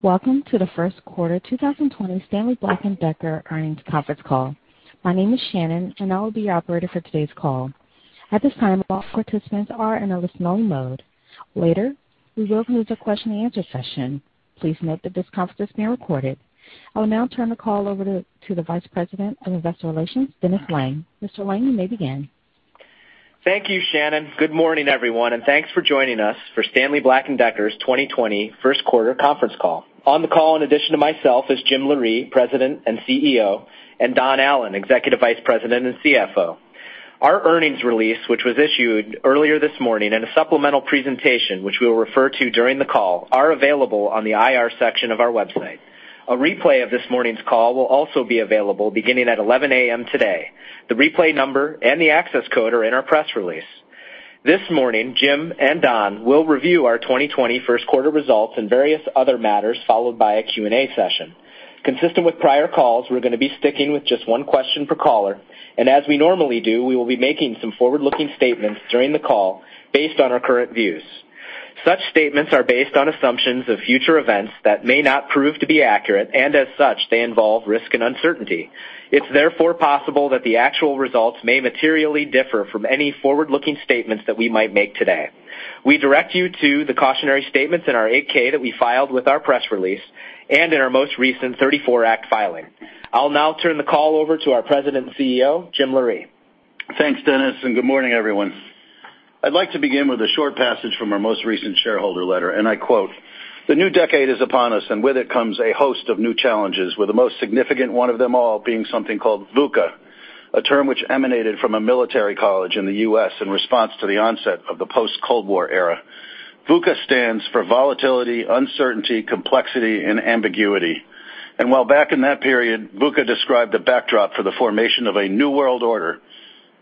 Welcome to the first quarter 2020 Stanley Black & Decker earnings conference call. My name is Shannon, and I will be your operator for today's call. At this time, all participants are in a listen-only mode. Later, we will move to question and answer session. Please note that this conference is being recorded. I will now turn the call over to the Vice President of Investor Relations, Dennis Lange. Mr. Lange, you may begin. Thank you, Shannon. Good morning, everyone, thanks for joining us for Stanley Black & Decker's 2020 first quarter conference call. On the call, in addition to myself, is James Loree, President and CEO, and Donald Allan, Executive Vice President and CFO. Our earnings release, which was issued earlier this morning, and a supplemental presentation, which we'll refer to during the call, are available on the IR section of our website. A replay of this morning's call will also be available beginning at 11:00 A.M. today. The replay number and the access code are in our press release. This morning, Jim and Don will review our 2020 first quarter results and various other matters, followed by a Q&A session. Consistent with prior calls, we're going to be sticking with just one question per caller, and as we normally do, we will be making some forward-looking statements during the call based on our current views. Such statements are based on assumptions of future events that may not prove to be accurate, and as such, they involve risk and uncertainty. It's therefore possible that the actual results may materially differ from any forward-looking statements that we might make today. We direct you to the cautionary statements in our 8-K that we filed with our press release and in our most recent 34 Act filing. I'll now turn the call over to our President and CEO, James Loree. Thanks, Dennis, and good morning, everyone. I'd like to begin with a short passage from our most recent shareholder letter, and I quote, "The new decade is upon us, and with it comes a host of new challenges, with the most significant one of them all being something called VUCA, a term which emanated from a military college in the U.S. in response to the onset of the post-Cold War era." VUCA stands for volatility, uncertainty, complexity and ambiguity. While back in that period, VUCA described the backdrop for the formation of a new world order,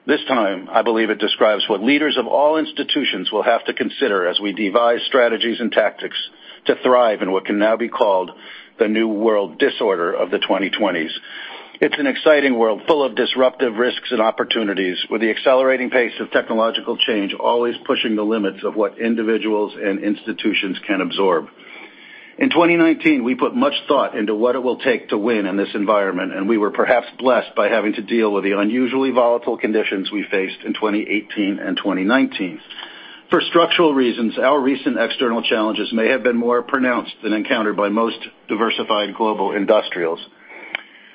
this time, I believe it describes what leaders of all institutions will have to consider as we devise`` strategies and tactics to thrive in what can now be called the new world disorder of the 2020s. It's an exciting world full of disruptive risks and opportunities, with the accelerating pace of technological change always pushing the limits of what individuals and institutions can absorb. In 2019, we put much thought into what it will take to win in this environment, and we were perhaps blessed by having to deal with the unusually volatile conditions we faced in 2018 and 2019. For structural reasons, our recent external challenges may have been more pronounced than encountered by most diversified global industrials.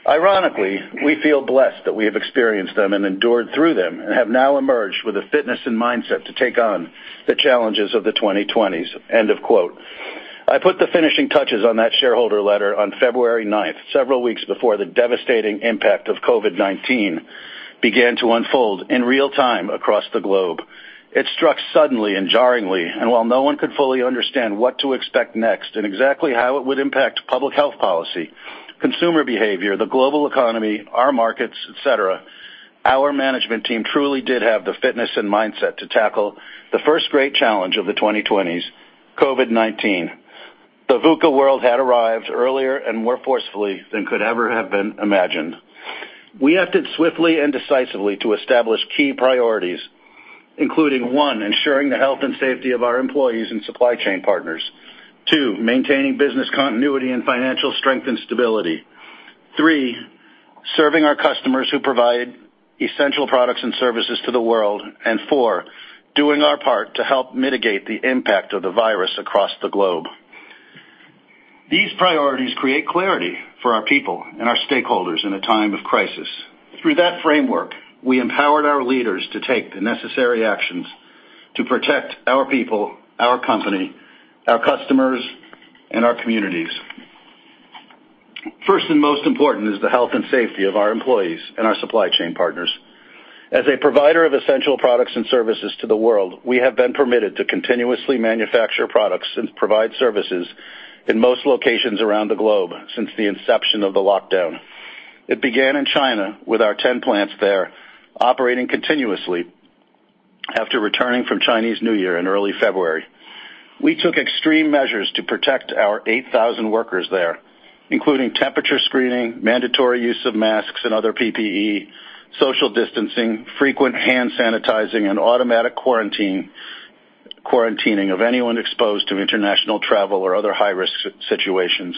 Ironically, we feel blessed that we have experienced them and endured through them and have now emerged with the fitness and mindset to take on the challenges of the 2020s. End of quote. I put the finishing touches on that shareholder letter on February 9th, several weeks before the devastating impact of COVID-19 began to unfold in real-time across the globe. It struck suddenly and jarringly, and while no one could fully understand what to expect next and exactly how it would impact public health policy, consumer behavior, the global economy, our markets, et cetera, our management team truly did have the fitness and mindset to tackle the first great challenge of the 2020s, COVID-19. The VUCA world had arrived earlier and more forcefully than could ever have been imagined. We acted swiftly and decisively to establish key priorities, including, one, ensuring the health and safety of our employees and supply chain partners. Two, maintaining business continuity and financial strength and stability. Three, serving our customers who provide essential products and services to the world, and four, doing our part to help mitigate the impact of the virus across the globe. These priorities create clarity for our people and our stakeholders in a time of crisis. Through that framework, we empowered our leaders to take the necessary actions to protect our people, our company, our customers, and our communities. First, and most important, is the health and safety of our employees and our supply chain partners. As a provider of essential products and services to the world, we have been permitted to continuously manufacture products and provide services in most locations around the globe since the inception of the lockdown. It began in China with our 10 plants there operating continuously after returning from Chinese New Year in early February. We took extreme measures to protect our 8,000 workers there, including temperature screening, mandatory use of masks and other PPE, social distancing, frequent hand sanitizing, and automatic quarantining of anyone exposed to international travel or other high-risk situations.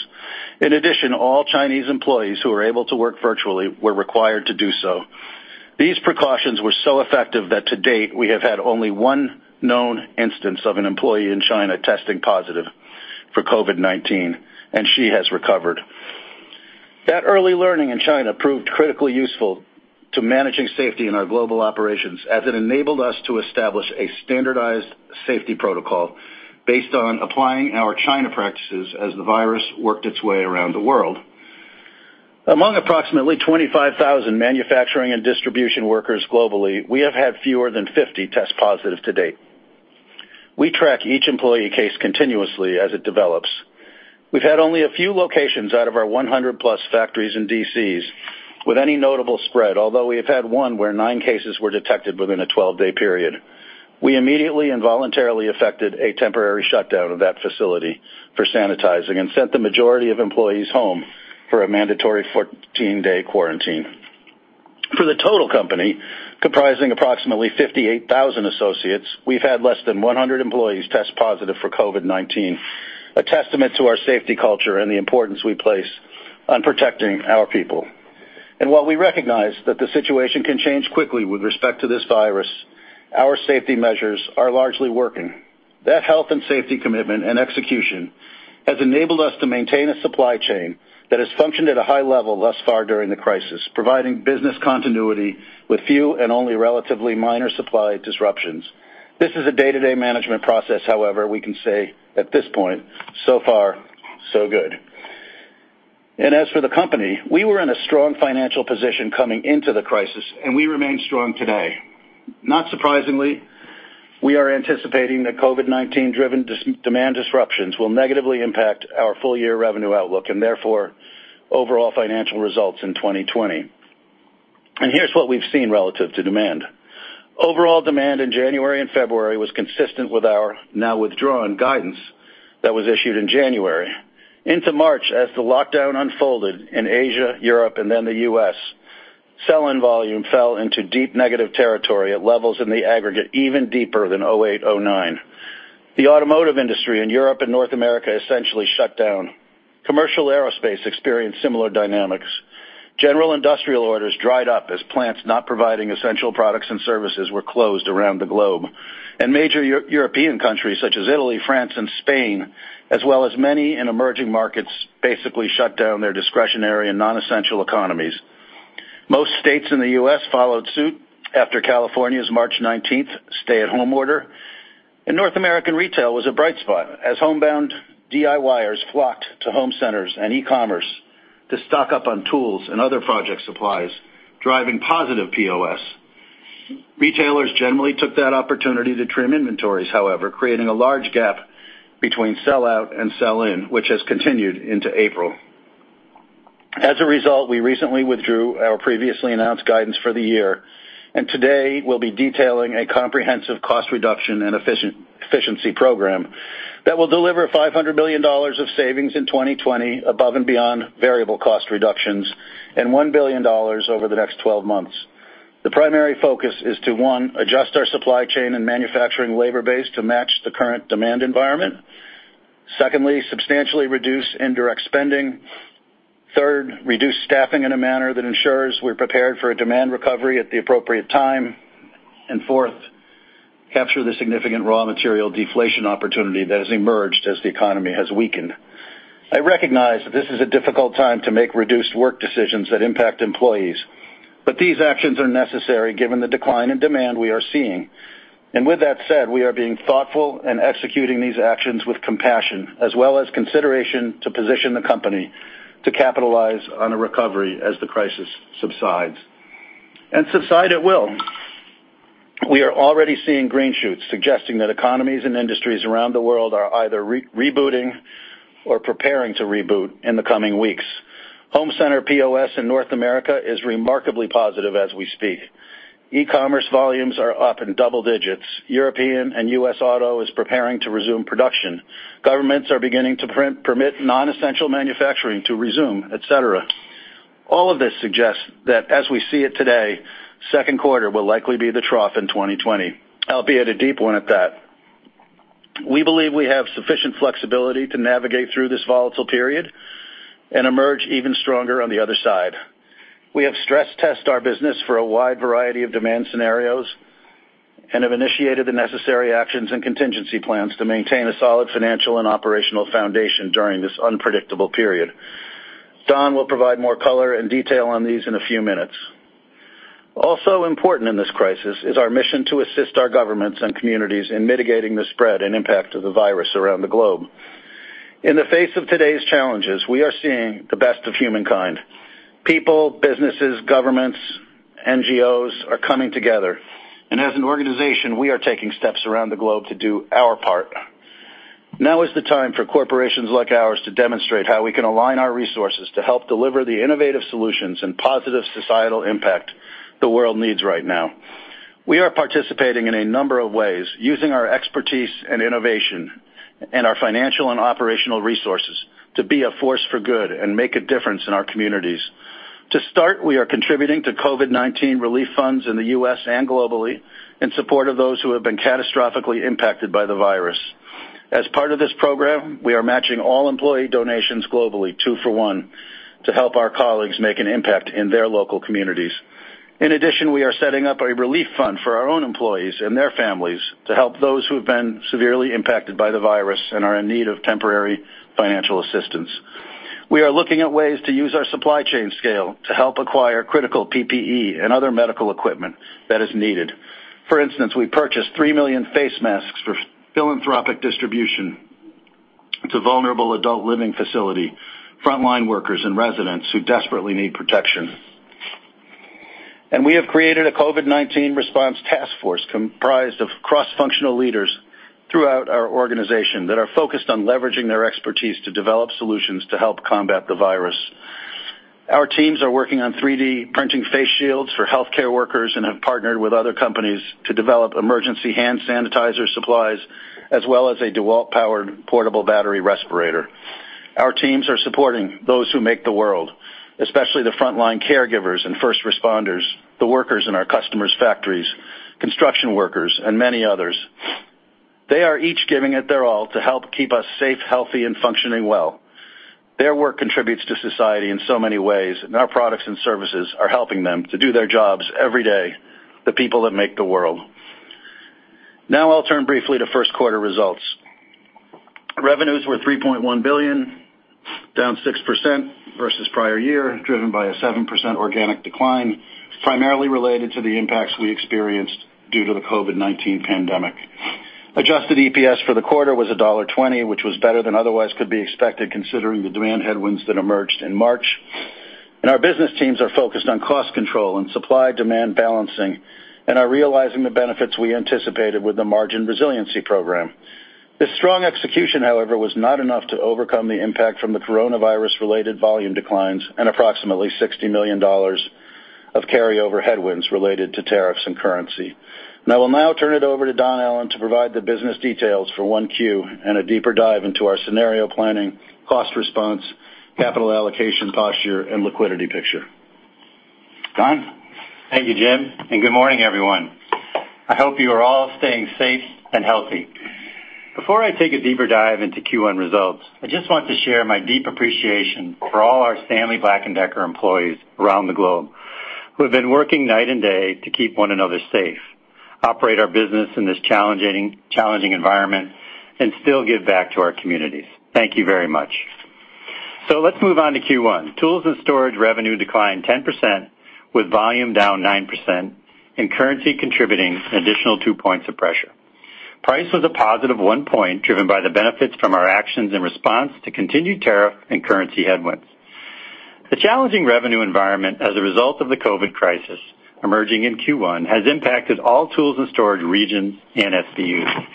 All Chinese employees who were able to work virtually were required to do so. These precautions were so effective that to date, we have had only one known instance of an employee in China testing positive for COVID-19, and she has recovered. That early learning in China proved critically useful to managing safety in our global operations, as it enabled us to establish a standardized safety protocol based on applying our China practices as the virus worked its way around the world. Among approximately 25,000 manufacturing and distribution workers globally, we have had fewer than 50 test positive to date. We track each employee case continuously as it develops. We've had only a few locations out of our 100+ factories and DCs with any notable spread, although we have had one where nine cases were detected within a 12-day period. We immediately and voluntarily effected a temporary shutdown of that facility for sanitizing and sent the majority of employees home for a mandatory 14-day quarantine. For the total company, comprising approximately 58,000 associates, we've had less than 100 employees test positive for COVID-19, a testament to our safety culture and the importance we place on protecting our people. While we recognize that the situation can change quickly with respect to this virus, our safety measures are largely working. That health and safety commitment and execution has enabled us to maintain a supply chain that has functioned at a high level thus far during the crisis, providing business continuity with few and only relatively minor supply disruptions. This is a day-to-day management process, however, we can say at this point, so far so good. As for the company, we were in a strong financial position coming into the crisis, and we remain strong today. Not surprisingly, we are anticipating that COVID-19-driven demand disruptions will negatively impact our full-year revenue outlook, and therefore, overall financial results in 2020. Here's what we've seen relative to demand. Overall demand in January and February was consistent with our now-withdrawn guidance that was issued in January. Into March, as the lockdown unfolded in Asia, Europe, and then the U.S., sell-in volume fell into deep negative territory at levels in the aggregate even deeper than 2008, 2009. The automotive industry in Europe and North America essentially shut down. Commercial aerospace experienced similar dynamics. General industrial orders dried up as plants not providing essential products and services were closed around the globe. Major European countries such as Italy, France, and Spain, as well as many in emerging markets, basically shut down their discretionary and non-essential economies. Most states in the U.S. followed suit after California's March 19th stay-at-home order, and North American retail was a bright spot as homebound DIYers flocked to home centers and e-commerce to stock up on tools and other project supplies, driving positive POS. Retailers generally took that opportunity to trim inventories, however, creating a large gap between sell-out and sell-in, which has continued into April. As a result, we recently withdrew our previously announced guidance for the year, and today we'll be detailing a comprehensive cost reduction and efficiency program that will deliver $500 million of savings in 2020 above and beyond variable cost reductions and $1 billion over the next 12 months. The primary focus is to, one, adjust our supply chain and manufacturing labor base to match the current demand environment. Secondly, substantially reduce indirect spending. Third, reduce staffing in a manner that ensures we're prepared for a demand recovery at the appropriate time. Fourth, capture the significant raw material deflation opportunity that has emerged as the economy has weakened. I recognize that this is a difficult time to make reduced work decisions that impact employees, but these actions are necessary given the decline in demand we are seeing. With that said, we are being thoughtful and executing these actions with compassion as well as consideration to position the company to capitalize on a recovery as the crisis subsides. Subside it will. We are already seeing green shoots suggesting that economies and industries around the world are either rebooting or preparing to reboot in the coming weeks. Home center POS in North America is remarkably positive as we speak. e-commerce volumes are up in double digits. European and U.S. auto is preparing to resume production. Governments are beginning to permit non-essential manufacturing to resume, et cetera. All of this suggests that as we see it today, second quarter will likely be the trough in 2020, albeit a deep one at that. We believe we have sufficient flexibility to navigate through this volatile period and emerge even stronger on the other side. We have stress-tested our business for a wide variety of demand scenarios and have initiated the necessary actions and contingency plans to maintain a solid financial and operational foundation during this unpredictable period. Don will provide more color and detail on these in a few minutes. Also important in this crisis is our mission to assist our governments and communities in mitigating the spread and impact of the virus around the globe. In the face of today's challenges, we are seeing the best of humankind. People, businesses, governments, NGOs are coming together, and as an organization, we are taking steps around the globe to do our part. Now is the time for corporations like ours to demonstrate how we can align our resources to help deliver the innovative solutions and positive societal impact the world needs right now. We are participating in a number of ways, using our expertise and innovation and our financial and operational resources to be a force for good and make a difference in our communities. To start, we are contributing to COVID-19 relief funds in the U.S. and globally in support of those who have been catastrophically impacted by the virus. As part of this program, we are matching all employee donations globally two for one to help our colleagues make an impact in their local communities. In addition, we are setting up a relief fund for our own employees and their families to help those who have been severely impacted by the virus and are in need of temporary financial assistance. We are looking at ways to use our supply chain scale to help acquire critical PPE and other medical equipment that is needed. For instance, we purchased 3 million face masks for philanthropic distribution to vulnerable adult living facility frontline workers and residents who desperately need protection. We have created a COVID-19 response task force comprised of cross-functional leaders throughout our organization that are focused on leveraging their expertise to develop solutions to help combat the virus. Our teams are working on 3D printing face shields for healthcare workers and have partnered with other companies to develop emergency hand sanitizer supplies, as well as a DEWALT-powered portable battery respirator. Our teams are supporting those who make the world, especially the frontline caregivers and first responders, the workers in our customers' factories, construction workers, and many others. They are each giving it their all to help keep us safe, healthy, and functioning well. Their work contributes to society in so many ways, and our products and services are helping them to do their jobs every day, the people that make the world. Now I'll turn briefly to first quarter results. Revenues were $3.1 billion, down 6% versus prior year, driven by a 7% organic decline, primarily related to the impacts we experienced due to the COVID-19 pandemic. Adjusted EPS for the quarter was $1.20, which was better than otherwise could be expected considering the demand headwinds that emerged in March. Our business teams are focused on cost control and supply-demand balancing and are realizing the benefits we anticipated with the margin resiliency program. This strong execution, however, was not enough to overcome the impact from the coronavirus-related volume declines and approximately $60 million of carryover headwinds related to tariffs and currency. I will now turn it over to Donald Allan to provide the business details for Q1 and a deeper dive into our scenario planning, cost response, capital allocation posture, and liquidity picture. Donald? Thank you, James, good morning, everyone. I hope you are all staying safe and healthy. Before I take a deeper dive into Q1 results, I just want to share my deep appreciation for all our Stanley Black & Decker employees around the globe who have been working night and day to keep one another safe, operate our business in this challenging environment, and still give back to our communities. Thank you very much. Let's move on to Q1. Tools and storage revenue declined 10%, with volume down 9% and currency contributing an additional two points of pressure. Price was a positive one point, driven by the benefits from our actions in response to continued tariff and currency headwinds. The challenging revenue environment as a result of the COVID crisis emerging in Q1 has impacted all tools and storage regions and SPUs.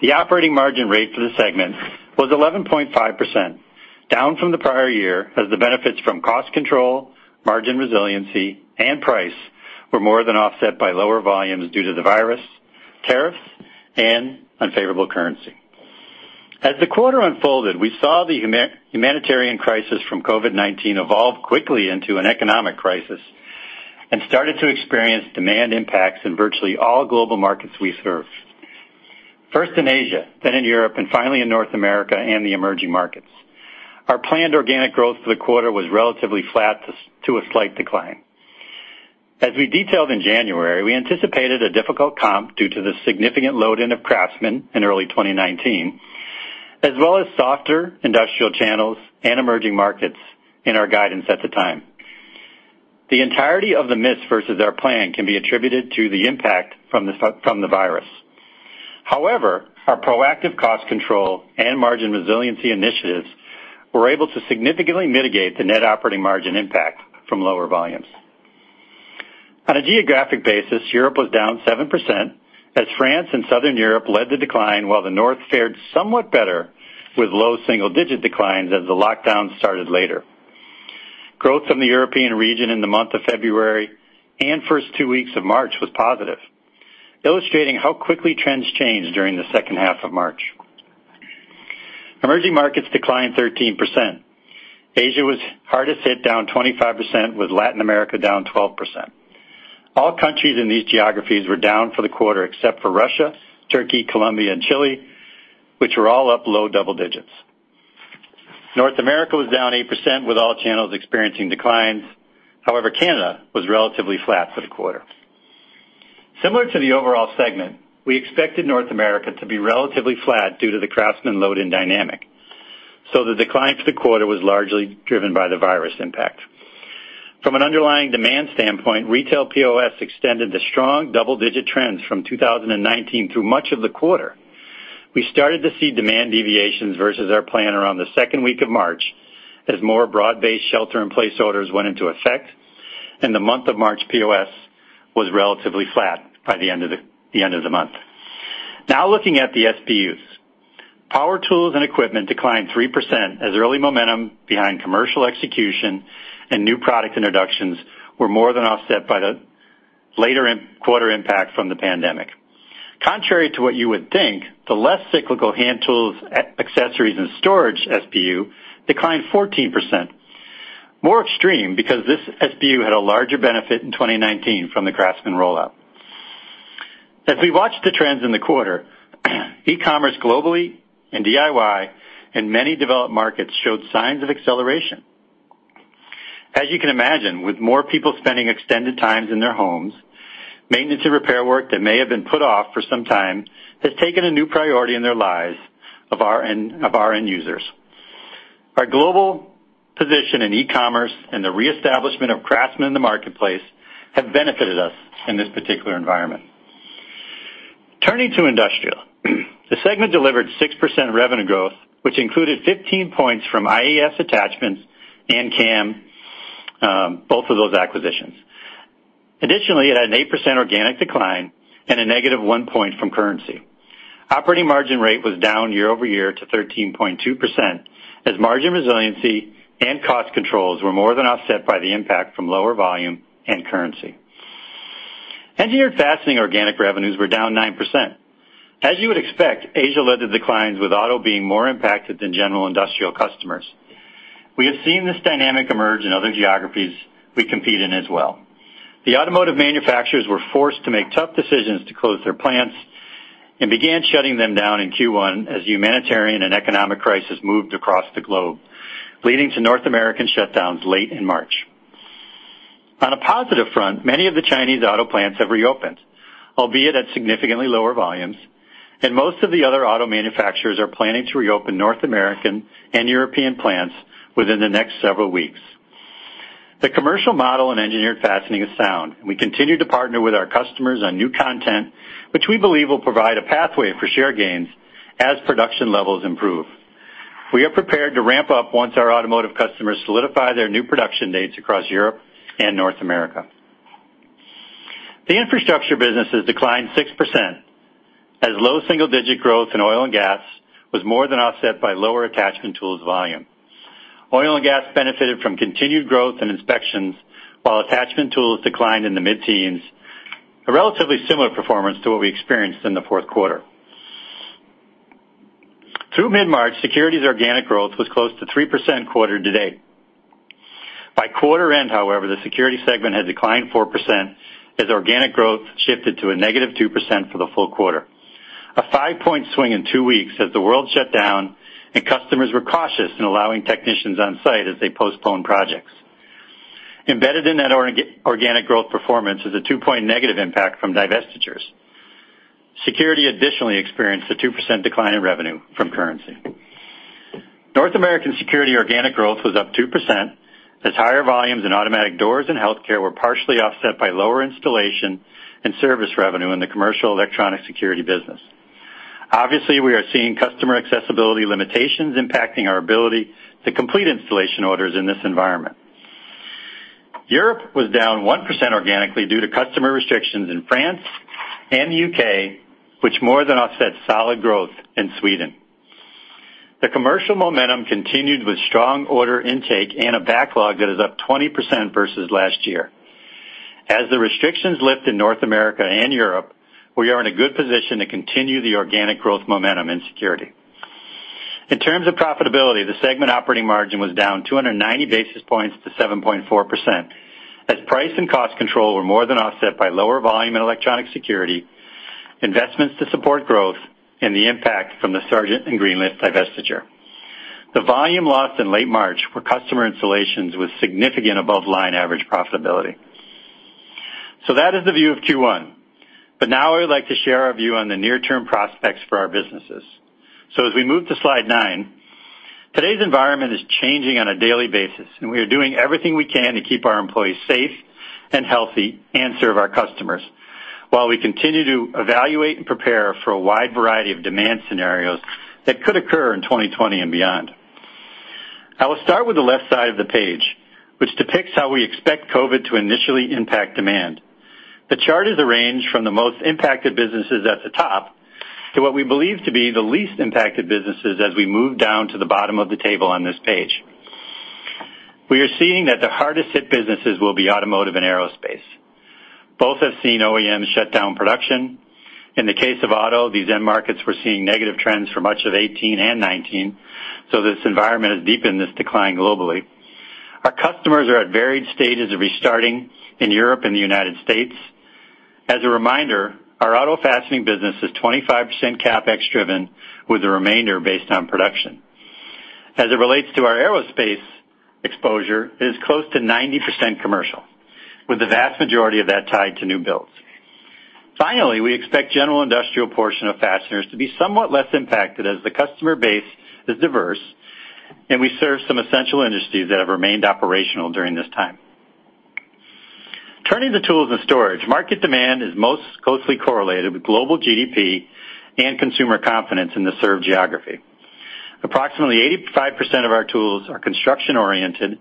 The operating margin rate for the segment was 11.5%, down from the prior year as the benefits from cost control, margin resiliency, and price were more than offset by lower volumes due to the virus, tariffs, and unfavorable currency. As the quarter unfolded, we saw the humanitarian crisis from COVID-19 evolve quickly into an economic crisis and started to experience demand impacts in virtually all global markets we serve, first in Asia, then in Europe, and finally in North America and the emerging markets. Our planned organic growth for the quarter was relatively flat to a slight decline. As we detailed in January, we anticipated a difficult comp due to the significant load-in of CRAFTSMAN in early 2019, as well as softer industrial channels and emerging markets in our guidance at the time. The entirety of the miss versus our plan can be attributed to the impact from the virus. However, our proactive cost control and margin resiliency initiatives were able to significantly mitigate the net operating margin impact from lower volumes. On a geographic basis, Europe was down 7% as France and Southern Europe led the decline while the North fared somewhat better with low single-digit declines as the lockdown started later. Growth from the European region in the month of February and first two weeks of March was positive, illustrating how quickly trends changed during the second half of March. Emerging markets declined 13%. Asia was hardest hit, down 25%, with Latin America down 12%. All countries in these geographies were down for the quarter except for Russia, Turkey, Colombia, and Chile, which were all up low double digits. North America was down 8% with all channels experiencing declines. However, Canada was relatively flat for the quarter. Similar to the overall segment, we expected North America to be relatively flat due to the CRAFTSMAN load-in dynamic. The decline for the quarter was largely driven by the virus impact. From an underlying demand standpoint, retail POS extended the strong double-digit trends from 2019 through much of the quarter. We started to see demand deviations versus our plan around the second week of March as more broad-based shelter-in-place orders went into effect. The month of March POS was relatively flat by the end of the month. Looking at the SPUs. Power tools and equipment declined 3% as early momentum behind commercial execution and new product introductions were more than offset by the later quarter impact from the pandemic. Contrary to what you would think, the less cyclical hand tools, accessories, and storage SPU declined 14%, more extreme because this SPU had a larger benefit in 2019 from the CRAFTSMAN rollout. We watched the trends in the quarter, e-commerce globally and DIY in many developed markets showed signs of acceleration. You can imagine, with more people spending extended times in their homes, maintenance and repair work that may have been put off for some time has taken a new priority in their lives of our end users. Our global position in e-commerce and the reestablishment of CRAFTSMAN in the marketplace have benefited us in this particular environment. Turning to industrial. The segment delivered 6% revenue growth, which included 15 points from IES Attachments and CAM, both of those acquisitions. Additionally, it had an 8% organic decline and a negative one point from currency. Operating margin rate was down year-over-year to 13.2% as margin resiliency and cost controls were more than offset by the impact from lower volume and currency. Engineered fastening organic revenues were down 9%. As you would expect, Asia led the declines, with auto being more impacted than general industrial customers. We have seen this dynamic emerge in other geographies we compete in as well. The automotive manufacturers were forced to make tough decisions to close their plants and began shutting them down in Q1 as humanitarian and economic crisis moved across the globe, leading to North American shutdowns late in March. On a positive front, many of the Chinese auto plants have reopened, albeit at significantly lower volumes, and most of the other auto manufacturers are planning to reopen North American and European plants within the next several weeks. The commercial model in Engineered Fastening is sound, and we continue to partner with our customers on new content, which we believe will provide a pathway for share gains as production levels improve. We are prepared to ramp up once our automotive customers solidify their new production dates across Europe and North America. The infrastructure businesses declined 6%, as low single-digit growth in oil and gas was more than offset by lower attachment tools volume. Oil and gas benefited from continued growth in inspections, while attachment tools declined in the mid-teens, a relatively similar performance to what we experienced in the fourth quarter. Through mid-March, Security's organic growth was close to 3% quarter-to-date. By quarter end, however, the Security segment had declined 4% as organic growth shifted to a negative 2% for the full quarter. A five-point swing in two weeks as the world shut down and customers were cautious in allowing technicians on site as they postponed projects. Embedded in that organic growth performance is a two-point negative impact from divestitures. Security additionally experienced a 2% decline in revenue from currency. North American security organic growth was up 2%, as higher volumes in automatic doors and healthcare were partially offset by lower installation and service revenue in the commercial electronic security business. Obviously, we are seeing customer accessibility limitations impacting our ability to complete installation orders in this environment. Europe was down 1% organically due to customer restrictions in France and the U.K., which more than offset solid growth in Sweden. The commercial momentum continued with strong order intake and a backlog that is up 20% versus last year. As the restrictions lift in North America and Europe, we are in a good position to continue the organic growth momentum in security. In terms of profitability, the segment operating margin was down 290 basis points to 7.4%, as price and cost control were more than offset by lower volume in electronic security, investments to support growth, and the impact from the Sargent and Greenleaf divestiture. The volume lost in late March for customer installations was significant above line average profitability. That is the view of Q1. Now I would like to share our view on the near-term prospects for our businesses. As we move to slide nine, today's environment is changing on a daily basis, and we are doing everything we can to keep our employees safe and healthy and serve our customers while we continue to evaluate and prepare for a wide variety of demand scenarios that could occur in 2020 and beyond. I will start with the left side of the page, which depicts how we expect COVID to initially impact demand. The chart is arranged from the most impacted businesses at the top to what we believe to be the least impacted businesses as we move down to the bottom of the table on this page. We are seeing that the hardest hit businesses will be automotive and aerospace. Both have seen OEMs shut down production. In the case of auto, these end markets were seeing negative trends for much of 2018 and 2019, so this environment has deepened this decline globally. Our customers are at varied stages of restarting in Europe and the United States. As a reminder, our auto fastening business is 25% CapEx driven, with the remainder based on production. As it relates to our aerospace exposure, it is close to 90% commercial, with the vast majority of that tied to new builds. Finally, we expect general industrial portion of fasteners to be somewhat less impacted as the customer base is diverse, and we serve some essential industries that have remained operational during this time. Turning to tools and storage, market demand is most closely correlated with global GDP and consumer confidence in the served geography. Approximately 85% of our tools are construction-oriented,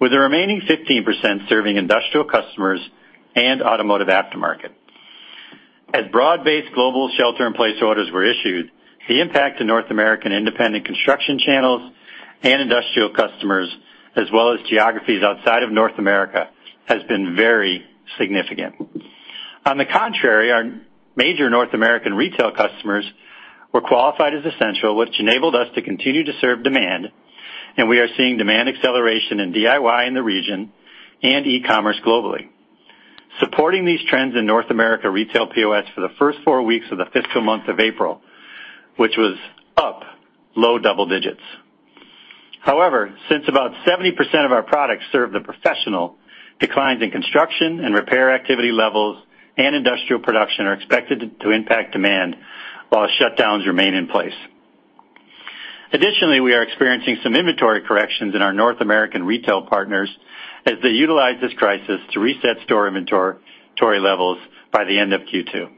with the remaining 15% serving industrial customers and automotive aftermarket. As broad-based global shelter in place orders were issued, the impact to North American independent construction channels and industrial customers, as well as geographies outside of North America, has been very significant. On the contrary, our major North American retail customers were qualified as essential, which enabled us to continue to serve demand, and we are seeing demand acceleration in DIY in the region and e-commerce globally. Supporting these trends in North America retail POS for the first four weeks of the fiscal month of April, which was up low double digits. Since about 70% of our products serve the professional, declines in construction and repair activity levels and industrial production are expected to impact demand while shutdowns remain in place. Additionally, we are experiencing some inventory corrections in our North American retail partners as they utilize this crisis to reset store inventory levels by the end of Q2.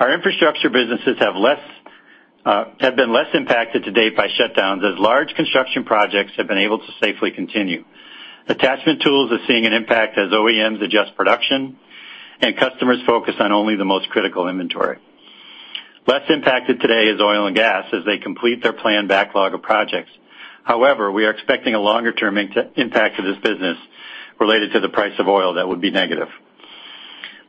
Our infrastructure businesses have been less impacted to date by shutdowns as large construction projects have been able to safely continue. Attachment tools are seeing an impact as OEMs adjust production and customers focus on only the most critical inventory. Less impacted today is oil and gas as they complete their planned backlog of projects. However, we are expecting a longer-term impact to this business related to the price of oil that would be negative.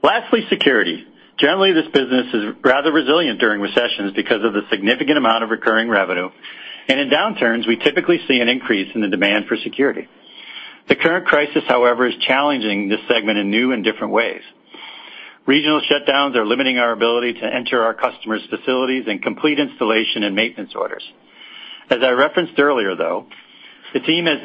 Lastly, security. Generally, this business is rather resilient during recessions because of the significant amount of recurring revenue. In downturns, we typically see an increase in the demand for security. The current crisis, however, is challenging this segment in new and different ways. Regional shutdowns are limiting our ability to enter our customers' facilities and complete installation and maintenance orders. As I referenced earlier, though, the team has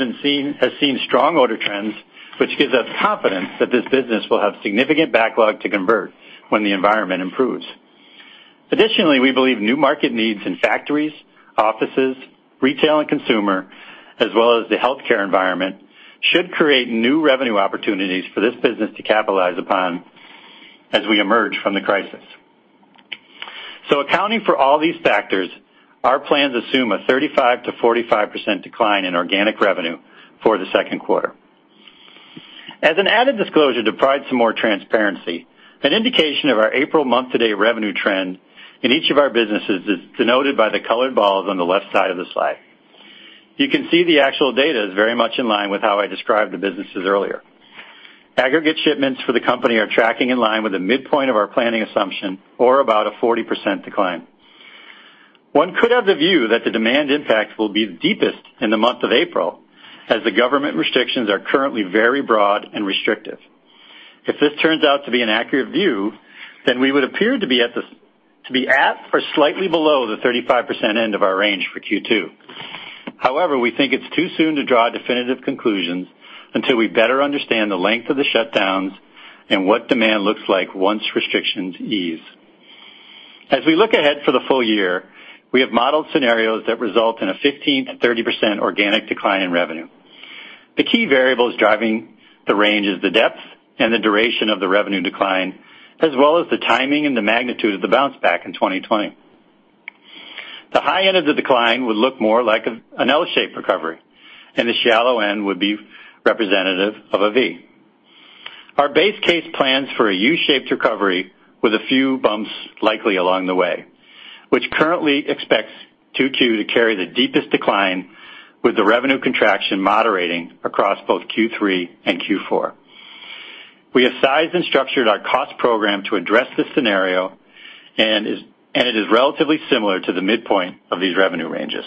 seen strong order trends, which gives us confidence that this business will have significant backlog to convert when the environment improves. Additionally, we believe new market needs in factories, offices, retail, and consumer, as well as the healthcare environment, should create new revenue opportunities for this business to capitalize upon as we emerge from the crisis. Accounting for all these factors, our plans assume a 35%-45% decline in organic revenue for the second quarter. As an added disclosure to provide some more transparency, an indication of our April month-to-date revenue trend in each of our businesses is denoted by the colored balls on the left side of the slide. You can see the actual data is very much in line with how I described the businesses earlier. Aggregate shipments for the company are tracking in line with the midpoint of our planning assumption or about a 40% decline. One could have the view that the demand impact will be the deepest in the month of April as the government restrictions are currently very broad and restrictive. If this turns out to be an accurate view, then we would appear to be at or slightly below the 35% end of our range for Q2. However, we think it's too soon to draw definitive conclusions until we better understand the length of the shutdowns and what demand looks like once restrictions ease. As we look ahead for the full year, we have modeled scenarios that result in a 15%-30% organic decline in revenue. The key variables driving the range is the depth and the duration of the revenue decline, as well as the timing and the magnitude of the bounce back in 2020. The high end of the decline would look more like an L-shaped recovery, and the shallow end would be representative of a V. Our base case plans for a U-shaped recovery with a few bumps likely along the way, which currently expects Q2 to carry the deepest decline with the revenue contraction moderating across both Q3 and Q4. We have sized and structured our cost program to address this scenario, and it is relatively similar to the midpoint of these revenue ranges.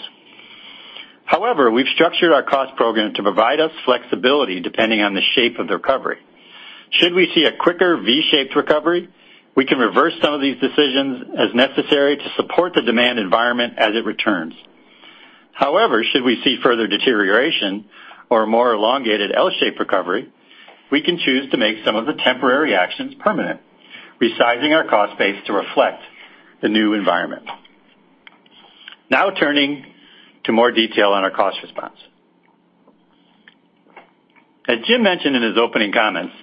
However, we've structured our cost program to provide us flexibility depending on the shape of the recovery. Should we see a quicker V-shaped recovery, we can reverse some of these decisions as necessary to support the demand environment as it returns. Should we see further deterioration or a more elongated L-shaped recovery, we can choose to make some of the temporary actions permanent, resizing our cost base to reflect the new environment. Turning to more detail on our cost response. As James mentioned in his opening comments,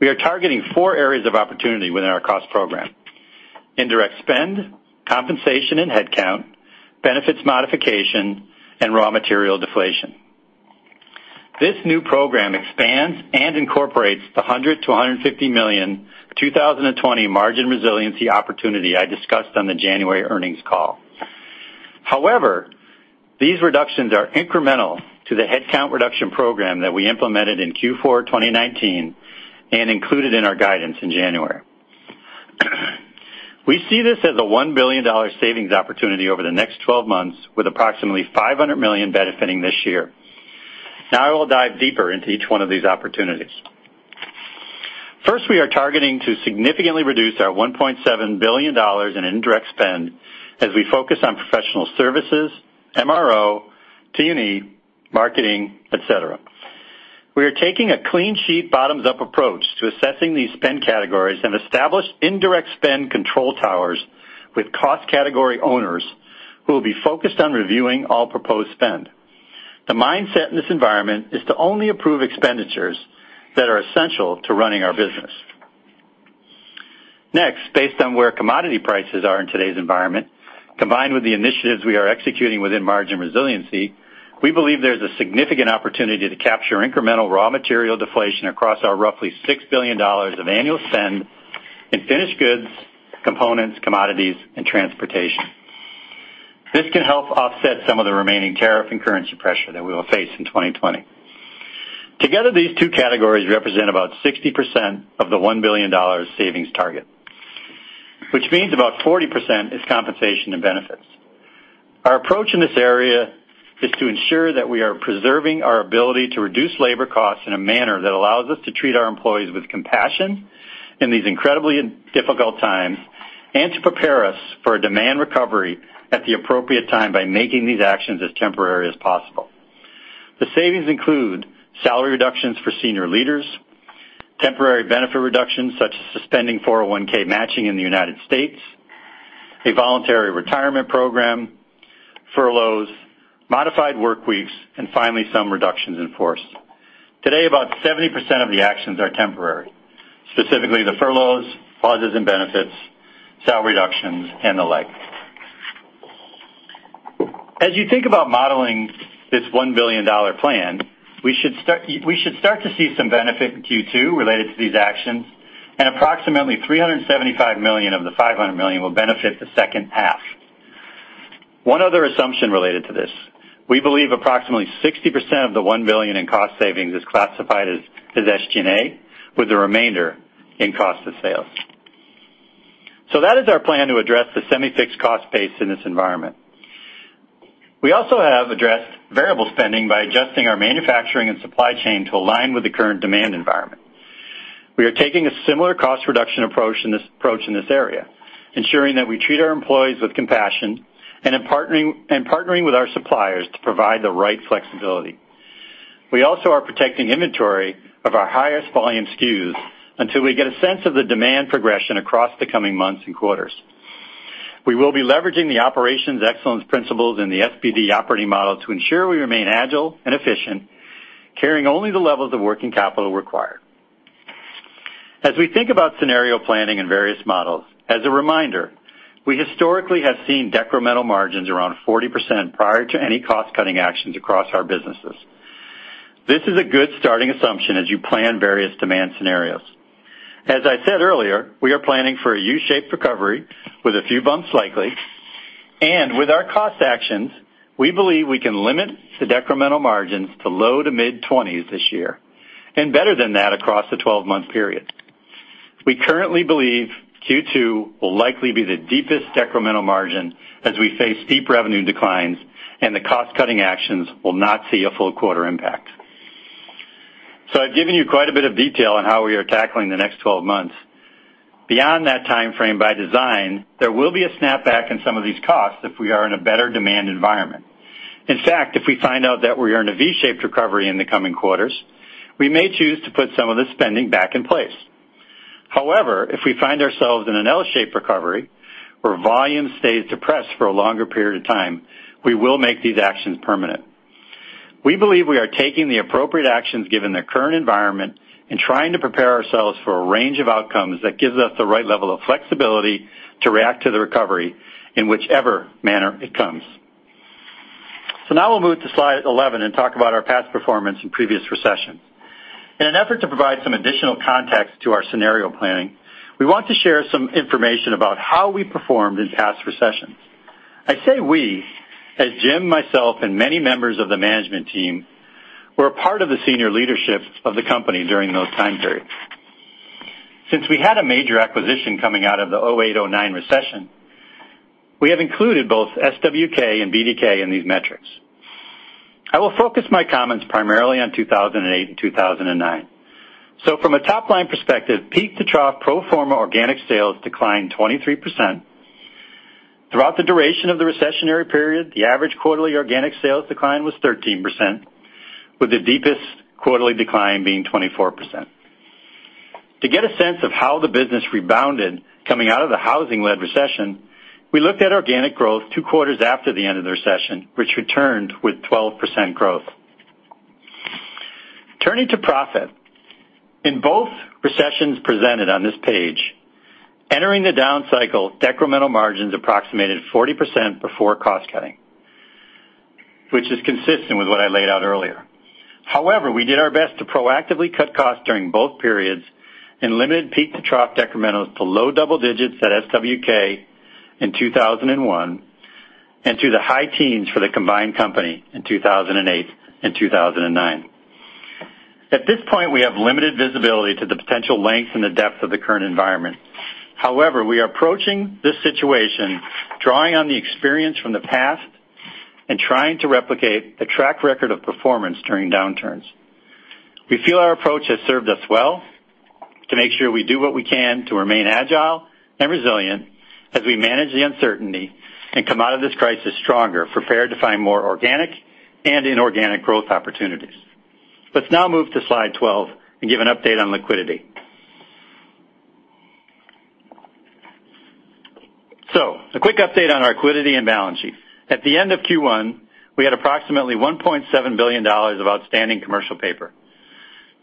we are targeting four areas of opportunity within our cost program: indirect spend, compensation and headcount, benefits modification, and raw material deflation. This new program expands and incorporates the $100-150 million 2020 margin resiliency opportunity I discussed on the January earnings call. These reductions are incremental to the headcount reduction program that we implemented in Q4 2019 and included in our guidance in January. We see this as a $1 billion savings opportunity over the next 12 months with approximately $500 million benefiting this year. I will dive deeper into each one of these opportunities. First, we are targeting to significantly reduce our $1.7 billion in indirect spend as we focus on professional services, MRO, T&E, marketing, et cetera. We are taking a clean sheet bottoms-up approach to assessing these spend categories and established indirect spend control towers with cost category owners who will be focused on reviewing all proposed spend. The mindset in this environment is to only approve expenditures that are essential to running our business. Next, based on where commodity prices are in today's environment, combined with the initiatives we are executing within margin resiliency, we believe there is a significant opportunity to capture incremental raw material deflation across our roughly $6 billion of annual spend in finished goods, components, commodities, and transportation. This can help offset some of the remaining tariff and currency pressure that we will face in 2020. Together, these two categories represent about 60% of the $1 billion savings target, which means about 40% is compensation and benefits. Our approach in this area is to ensure that we are preserving our ability to reduce labor costs in a manner that allows us to treat our employees with compassion in these incredibly difficult times and to prepare us for a demand recovery at the appropriate time by making these actions as temporary as possible. The savings include salary reductions for senior leaders, temporary benefit reductions such as suspending 401(k) matching in the U.S., a voluntary retirement program, furloughs, modified workweeks, and finally, some reductions in force. Today, about 70% of the actions are temporary, specifically the furloughs, pauses in benefits, salary reductions, and the like. As you think about modeling this $1 billion plan, we should start to see some benefit in Q2 related to these actions, and approximately $375 million of the $500 million will benefit the second half. One other assumption related to this, we believe approximately 60% of the $1 billion in cost savings is classified as SG&A, with the remainder in cost of sales. That is our plan to address the semi-fixed cost base in this environment. We also have addressed variable spending by adjusting our manufacturing and supply chain to align with the current demand environment. We are taking a similar cost reduction approach in this area, ensuring that we treat our employees with compassion and partnering with our suppliers to provide the right flexibility. We also are protecting inventory of our highest volume SKUs until we get a sense of the demand progression across the coming months and quarters. We will be leveraging the operations excellence principles in the SBD operating model to ensure we remain agile and efficient, carrying only the levels of working capital required. As we think about scenario planning in various models, as a reminder, we historically have seen decremental margins around 40% prior to any cost-cutting actions across our businesses. This is a good starting assumption as you plan various demand scenarios. As I said earlier, we are planning for a U-shaped recovery with a few bumps likely, with our cost actions, we believe we can limit the decremental margins to low to mid-20s this year, and better than that across the 12-month period. We currently believe Q2 will likely be the deepest decremental margin as we face steep revenue declines and the cost-cutting actions will not see a full quarter impact. I've given you quite a bit of detail on how we are tackling the next 12 months. Beyond that timeframe by design, there will be a snapback in some of these costs if we are in a better demand environment. In fact, if we find out that we are in a V-shaped recovery in the coming quarters, we may choose to put some of the spending back in place. However, if we find ourselves in an L-shaped recovery where volume stays depressed for a longer period of time, we will make these actions permanent. We believe we are taking the appropriate actions given the current environment and trying to prepare ourselves for a range of outcomes that gives us the right level of flexibility to react to the recovery in whichever manner it comes. Now we'll move to slide 11 and talk about our past performance in previous recessions. In an effort to provide some additional context to our scenario planning, we want to share some information about how we performed in past recessions. I say we, as James, myself, and many members of the management team were a part of the senior leadership of the company during those time periods. Since we had a major acquisition coming out of the 2008-2009 recession, we have included both SWK and BDK in these metrics. I will focus my comments primarily on 2008 and 2009. From a top-line perspective, peak-to-trough pro forma organic sales declined 23%. Throughout the duration of the recessionary period, the average quarterly organic sales decline was 13%, with the deepest quarterly decline being 24%. To get a sense of how the business rebounded coming out of the housing-led recession, we looked at organic growth two quarters after the end of the recession, which returned with 12% growth. Turning to profit, in both recessions presented on this page, entering the down cycle, decremental margins approximated 40% before cost-cutting, which is consistent with what I laid out earlier. However, we did our best to proactively cut costs during both periods and limited peak-to-trough decrementals to low double digits at SWK in 2001 and to the high teens for the combined company in 2008 and 2009. At this point, we have limited visibility to the potential length and the depth of the current environment. We are approaching this situation drawing on the experience from the past and trying to replicate a track record of performance during downturns. We feel our approach has served us well to make sure we do what we can to remain agile and resilient as we manage the uncertainty and come out of this crisis stronger, prepared to find more organic and inorganic growth opportunities. Let's now move to slide 12 and give an update on liquidity. A quick update on our liquidity and balance sheet. At the end of Q1, we had approximately $1.7 billion of outstanding commercial paper.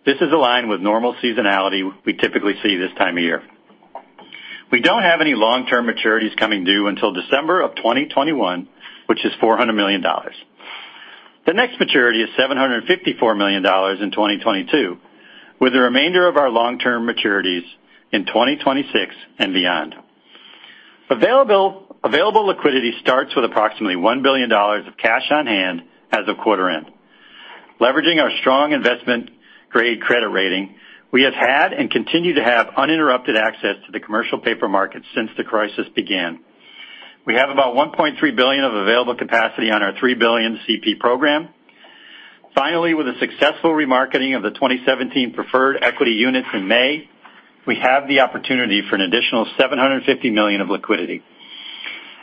This is aligned with normal seasonality we typically see this time of year. We don't have any long-term maturities coming due until December of 2021, which is $400 million. The next maturity is $754 million in 2022, with the remainder of our long-term maturities in 2026 and beyond. Available liquidity starts with approximately $1 billion of cash on hand as of quarter end. Leveraging our strong investment-grade credit rating, we have had and continue to have uninterrupted access to the commercial paper market since the crisis began. We have about $1.3 billion of available capacity on our $3 billion CP program. Finally, with the successful remarketing of the 2017 preferred equity units in May, we have the opportunity for an additional $750 million of liquidity.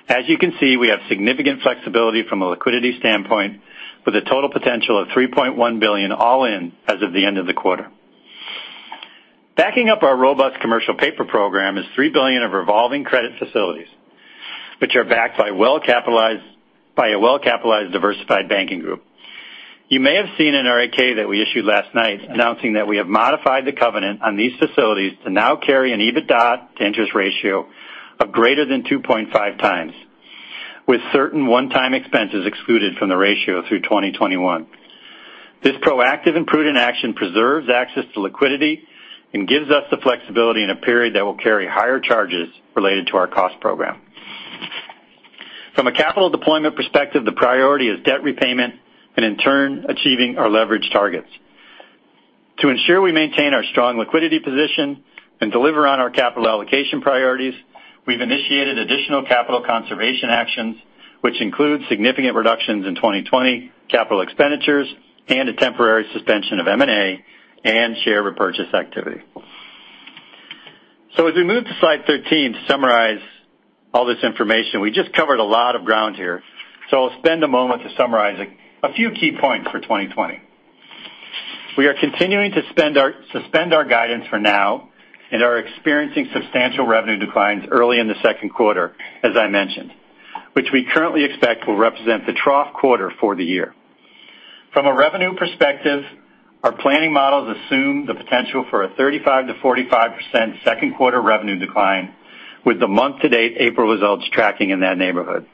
As you can see, we have significant flexibility from a liquidity standpoint with a total potential of $3.1 billion all in as of the end of the quarter. Backing up our robust commercial paper program is $3 billion of revolving credit facilities, which are backed by a well-capitalized, diversified banking group. You may have seen an 8-K that we issued last night announcing that we have modified the covenant on these facilities to now carry an EBITDA-to-interest ratio of greater than 2.5x, with certain one-time expenses excluded from the ratio through 2021. This proactive and prudent action preserves access to liquidity and gives us the flexibility in a period that will carry higher charges related to our cost program. From a capital deployment perspective, the priority is debt repayment and in turn, achieving our leverage targets. To ensure we maintain our strong liquidity position and deliver on our capital allocation priorities, we've initiated additional capital conservation actions, which include significant reductions in 2020 capital expenditures and a temporary suspension of M&A and share repurchase activity. As we move to slide 13 to summarize all this information, we just covered a lot of ground here, so I'll spend a moment to summarize a few key points for 2020. We are continuing to suspend our guidance for now and are experiencing substantial revenue declines early in the second quarter, as I mentioned, which we currently expect will represent the trough quarter for the year. From a revenue perspective, our planning models assume the potential for a 35%-45% second quarter revenue decline, with the month-to-date April results tracking in that neighborhood.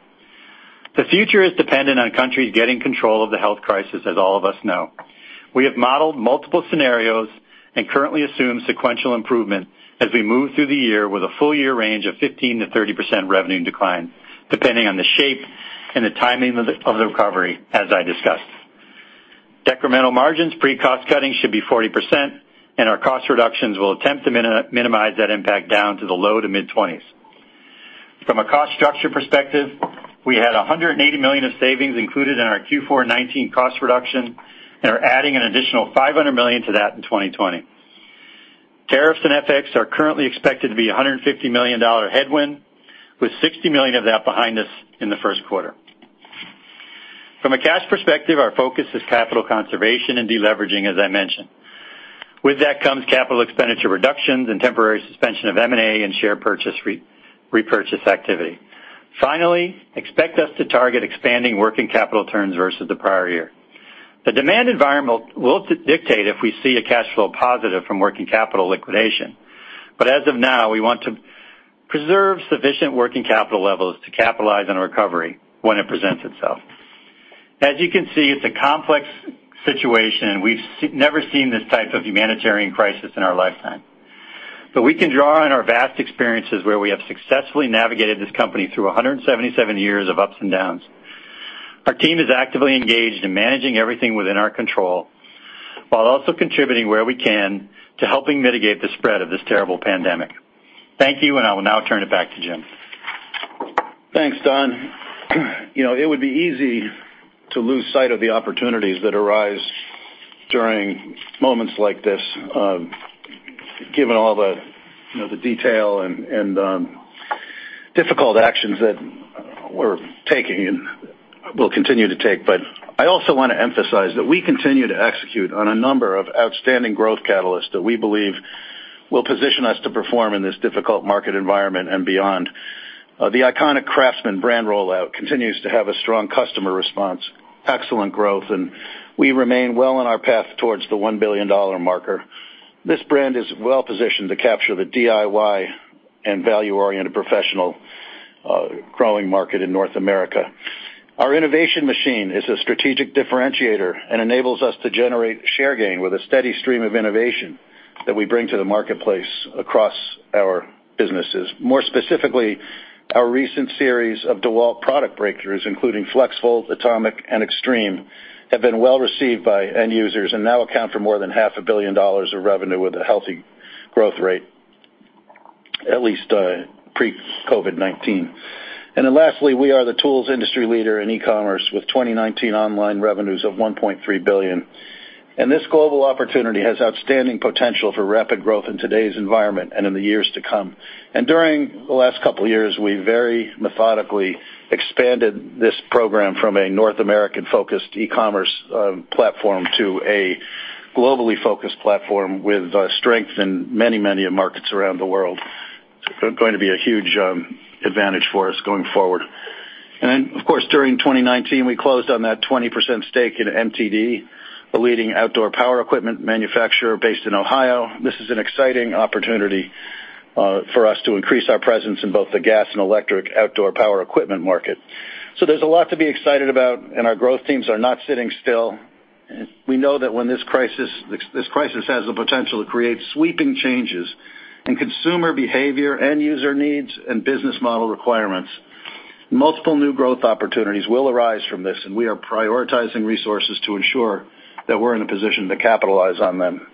The future is dependent on countries getting control of the health crisis, as all of us know. We have modeled multiple scenarios and currently assume sequential improvement as we move through the year with a full year range of 15%-30% revenue decline, depending on the shape and the timing of the recovery, as I discussed. Decremental margins pre cost cutting should be 40%, and our cost reductions will attempt to minimize that impact down to the low to mid-20s. From a cost structure perspective, we had $180 million of savings included in our Q4 2019 cost reduction and are adding an additional $500 million to that in 2020. Tariffs and FX are currently expected to be $150 million headwind, with $60 million of that behind us in the first quarter. From a cash perspective, our focus is capital conservation and de-leveraging, as I mentioned. With that comes CapEx reductions and temporary suspension of M&A and share purchase repurchase activity. Expect us to target expanding working capital turns versus the prior year. The demand environment will dictate if we see a cash flow positive from working capital liquidation. As of now, we want to preserve sufficient working capital levels to capitalize on a recovery when it presents itself. As you can see, it's a complex situation. We've never seen this type of humanitarian crisis in our lifetime. We can draw on our vast experiences where we have successfully navigated this company through 177 years of ups and downs. Our team is actively engaged in managing everything within our control while also contributing where we can to helping mitigate the spread of this terrible pandemic. Thank you. I will now turn it back to James. Thanks, Don. It would be easy to lose sight of the opportunities that arise during moments like this, given all the detail and difficult actions that we're taking and will continue to take. I also want to emphasize that we continue to execute on a number of outstanding growth catalysts that we believe will position us to perform in this difficult market environment and beyond. The iconic CRAFTSMAN brand rollout continues to have a strong customer response, excellent growth, and we remain well on our path towards the $1 billion marker. This brand is well-positioned to capture the DIY and value-oriented professional growing market in North America. Our innovation machine is a strategic differentiator and enables us to generate share gain with a steady stream of innovation that we bring to the marketplace across our businesses. More specifically, our recent series of DEWALT product breakthroughs, including FLEXVOLT, ATOMIC, and XTREME, have been well received by end users and now account for more than half a billion dollars of revenue with a healthy growth rate, at least pre-COVID-19. Lastly, we are the tools industry leader in e-commerce with 2019 online revenues of $1.3 billion. This global opportunity has outstanding potential for rapid growth in today's environment and in the years to come. During the last couple of years, we very methodically expanded this program from a North American-focused e-commerce platform to a globally focused platform with strength in many of markets around the world. It's going to be a huge advantage for us going forward. Of course, during 2019, we closed on that 20% stake in MTD, a leading outdoor power equipment manufacturer based in Ohio. This is an exciting opportunity for us to increase our presence in both the gas and electric outdoor power equipment market. There's a lot to be excited about, and our growth teams are not sitting still. We know that this crisis has the potential to create sweeping changes in consumer behavior, end user needs, and business model requirements. Multiple new growth opportunities will arise from this, and we are prioritizing resources to ensure that we're in a position to capitalize on them.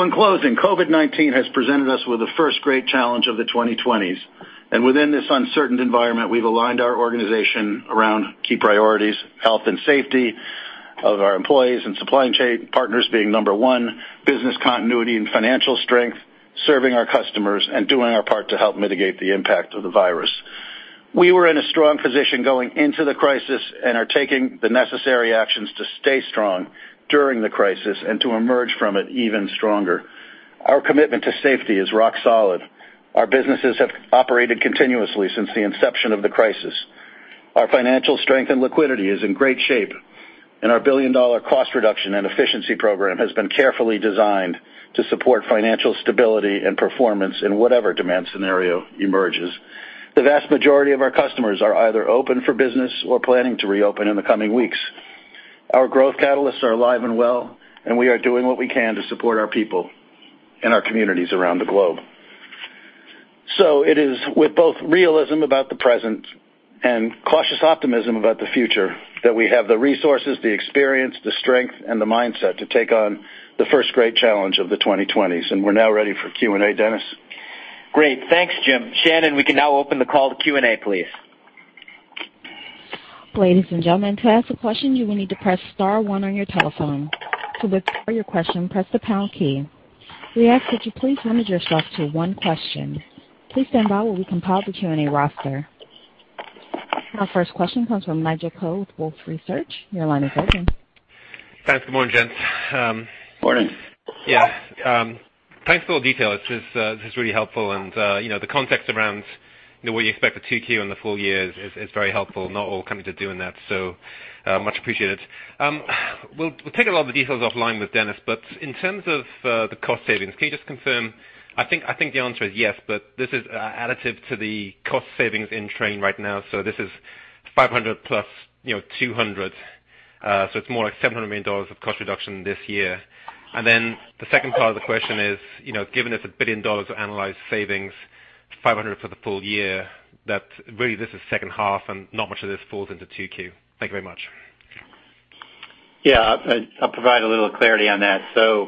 In closing, COVID-19 has presented us with the first great challenge of the 2020s, and within this uncertain environment, we've aligned our organization around key priorities, health and safety of our employees and supply chain partners being number one, business continuity and financial strength, serving our customers, and doing our part to help mitigate the impact of the virus. We were in a strong position going into the crisis and are taking the necessary actions to stay strong during the crisis and to emerge from it even stronger. Our commitment to safety is rock solid. Our businesses have operated continuously since the inception of the crisis. Our financial strength and liquidity is in great shape, and our billion-dollar cost reduction and efficiency program has been carefully designed to support financial stability and performance in whatever demand scenario emerges. The vast majority of our customers are either open for business or planning to reopen in the coming weeks. Our growth catalysts are alive and well, and we are doing what we can to support our people and our communities around the globe. It is with both realism about the present and cautious optimism about the future that we have the resources, the experience, the strength, and the mindset to take on the first great challenge of the 2020s, and we're now ready for Q&A. Dennis? Great. Thanks, James. Shannon, we can now open the call to Q&A, please. Ladies and gentlemen, to ask a question, you will need to press star one on your telephone. To withdraw your question, press the pound key. We ask that you please limit yourself to one question. Please stand by while we compile the Q&A roster. Our first question comes from Nigel Coe with Wolfe Research. Your line is open. Thanks. Good morning, gents. Morning. Yeah. Thanks for all the details. This is really helpful and the context around what you expect for Q2 and the full year is very helpful. Not all companies are doing that, so much appreciated. We'll take a lot of the details offline with Dennis, but in terms of the cost savings, can you just confirm, I think the answer is yes, but this is additive to the cost savings in train right now. This is $500 plus $200, so it's more like $700 million of cost reduction this year. Then the second part of the question is, given it's $1 billion of annualized savings, $500 for the full year, that really this is second half and not much of this falls into Q2. Thank you very much. Yeah, I'll provide a little clarity on that. The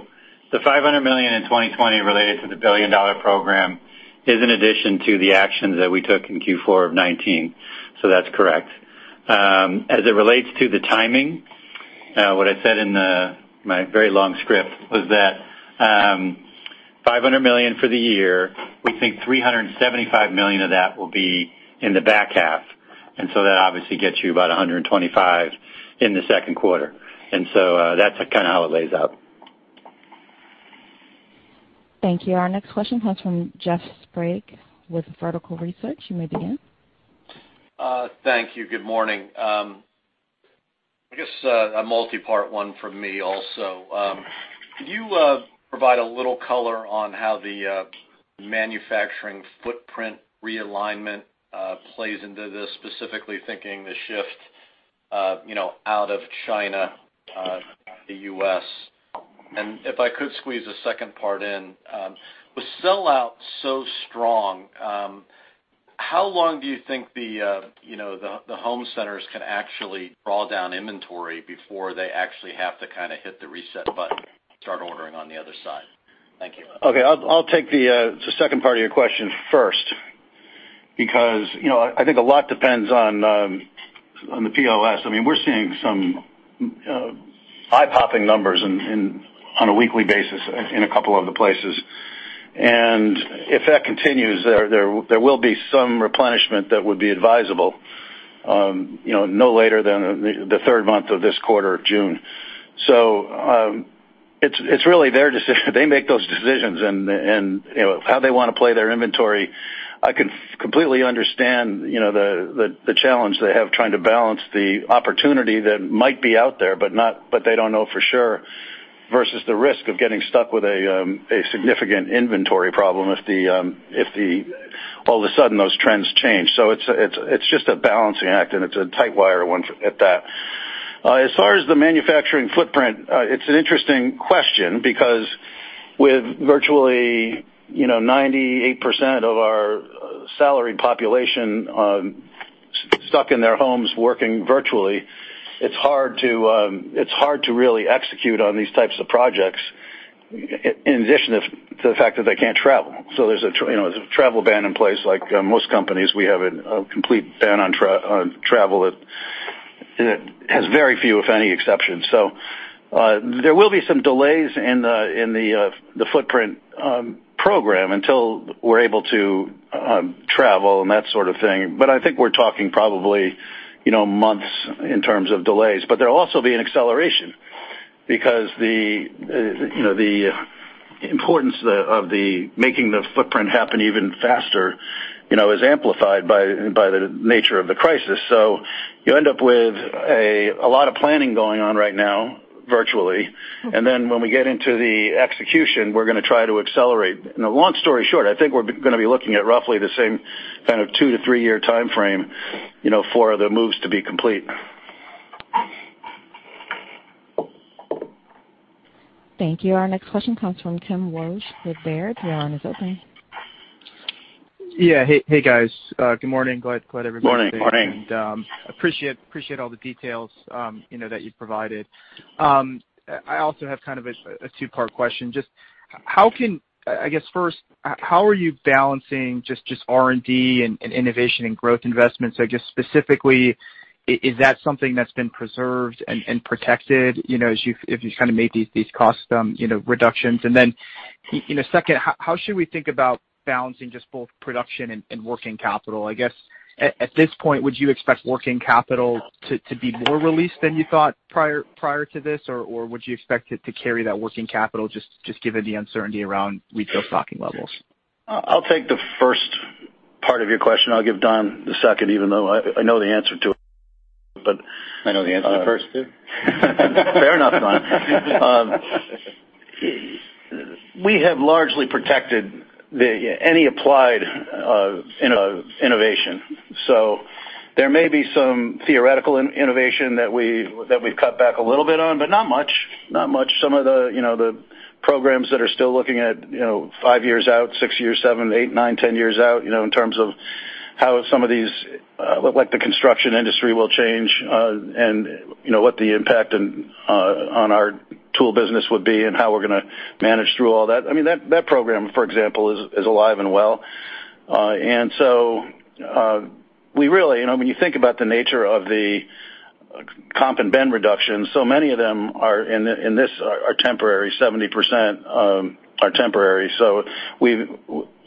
$500 million in 2020 related to the $1 billion program is in addition to the actions that we took in Q4 of 2019, so that's correct. As it relates to the timing, what I said in my very long script was that $500 million for the year, we think $375 million of that will be in the back half, and so that obviously gets you about $125 in the second quarter. That's kind of how it lays out. Thank you. Our next question comes from Jeff Sprague with Vertical Research. You may begin. Thank you. Good morning. I guess a multi-part one from me also. Could you provide a little color on how the manufacturing footprint realignment plays into this, specifically thinking the shift out of China to the U.S.? If I could squeeze a second part in. With sellouts so strong, how long do you think the home centers can actually draw down inventory before they actually have to kind of hit the reset button, start ordering on the other side? Thank you. Okay. I'll take the second part of your question first because I think a lot depends on the POS. We're seeing some eye-popping numbers on a weekly basis in a couple of the places. If that continues, there will be some replenishment that would be advisable no later than the third month of this quarter, June. It's really their decision. They make those decisions and how they want to play their inventory. I can completely understand the challenge they have trying to balance the opportunity that might be out there, but they don't know for sure, versus the risk of getting stuck with a significant inventory problem if all of a sudden those trends change. It's just a balancing act, and it's a tight wire one at that. As far as the manufacturing footprint, it's an interesting question because with virtually 98% of our salaried population stuck in their homes working virtually, it's hard to really execute on these types of projects in addition to the fact that they can't travel. There's a travel ban in place. Like most companies, we have a complete ban on travel that has very few, if any, exceptions. There will be some delays in the footprint program until we're able to travel and that sort of thing, but I think we're talking probably months in terms of delays. There will also be an acceleration because the importance of making the footprint happen even faster is amplified by the nature of the crisis. You end up with a lot of planning going on right now, virtually. When we get into the execution, we're going to try to accelerate. Long story short, I think we're going to be looking at roughly the same kind of two to three-year timeframe for the moves to be complete. Thank you. Our next question comes from Timothy Wojs with Baird. Your line is open. Yeah. Hey, guys. Good morning. Glad everybody could make it. Morning. Appreciate all the details that you've provided. I also have kind of a two-part question. I guess first, how are you balancing just R&D and innovation and growth investments? Just specifically, is that something that's been preserved and protected as you kind of made these cost reductions? Second, how should we think about balancing just both production and working capital? I guess at this point, would you expect working capital to be more released than you thought prior to this, or would you expect it to carry that working capital just given the uncertainty around retail stocking levels? I'll take the first part of your question. I'll give Donald the second, even though I know the answer to it. I know the answer to the first, too. Fair enough, Donald. We have largely protected any applied innovation. There may be some theoretical innovation that we've cut back a little bit on, but not much. Some of the programs that are still looking at five years out, six years, seven, eight, nine, 10 years out, in terms of how some of these, like the construction industry, will change, and what the impact on our tool business would be, and how we're going to manage through all that. That program, for example, is alive and well. When you think about the nature of the comp and ben reductions, so many of them in this are temporary, 70% are temporary.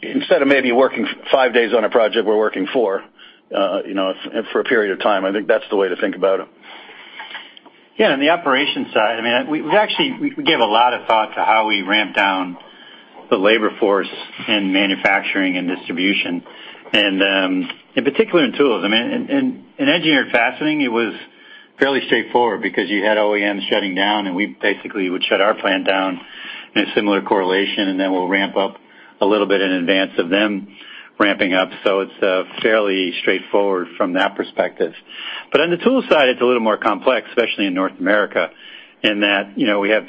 Instead of maybe working five days on a project, we're working four for a period of time. I think that's the way to think about it. Yeah, on the operations side, we gave a lot of thought to how we ramp down the labor force in manufacturing and distribution, and particularly in tools. In Engineered Fastening, it was fairly straightforward because you had OEMs shutting down, and we basically would shut our plant down in a similar correlation, and then we'll ramp up a little bit in advance of them ramping up. It's fairly straightforward from that perspective. On the tools side, it's a little more complex, especially in North America, in that we have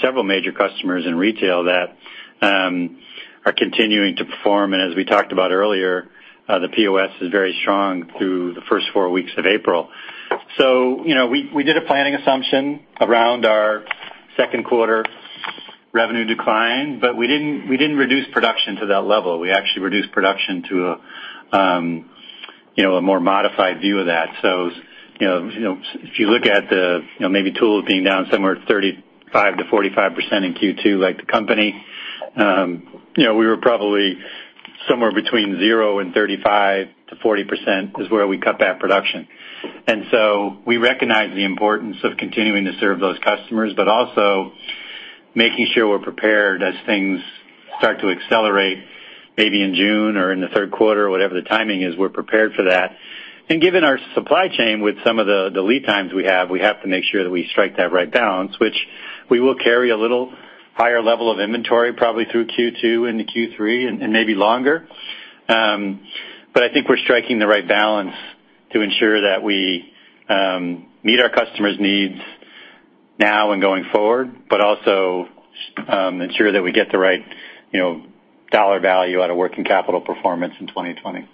several major customers in retail that are continuing to perform. As we talked about earlier, the POS is very strong through the first four weeks of April. We did a planning assumption around our second quarter revenue decline, but we didn't reduce production to that level. We actually reduced production to a more modified view of that. If you look at maybe tools being down somewhere 35%-45% in Q2, like the company, we were probably somewhere between zero and 35%-40%, is where we cut back production. We recognize the importance of continuing to serve those customers, but also making sure we're prepared as things start to accelerate, maybe in June or in the third quarter, whatever the timing is, we're prepared for that. Given our supply chain with some of the lead times we have, we have to make sure that we strike that right balance, which we will carry a little higher level of inventory probably through Q2 into Q3, and maybe longer. I think we're striking the right balance to ensure that we meet our customers' needs now and going forward, but also ensure that we get the right dollar value out of working capital performance in 2020.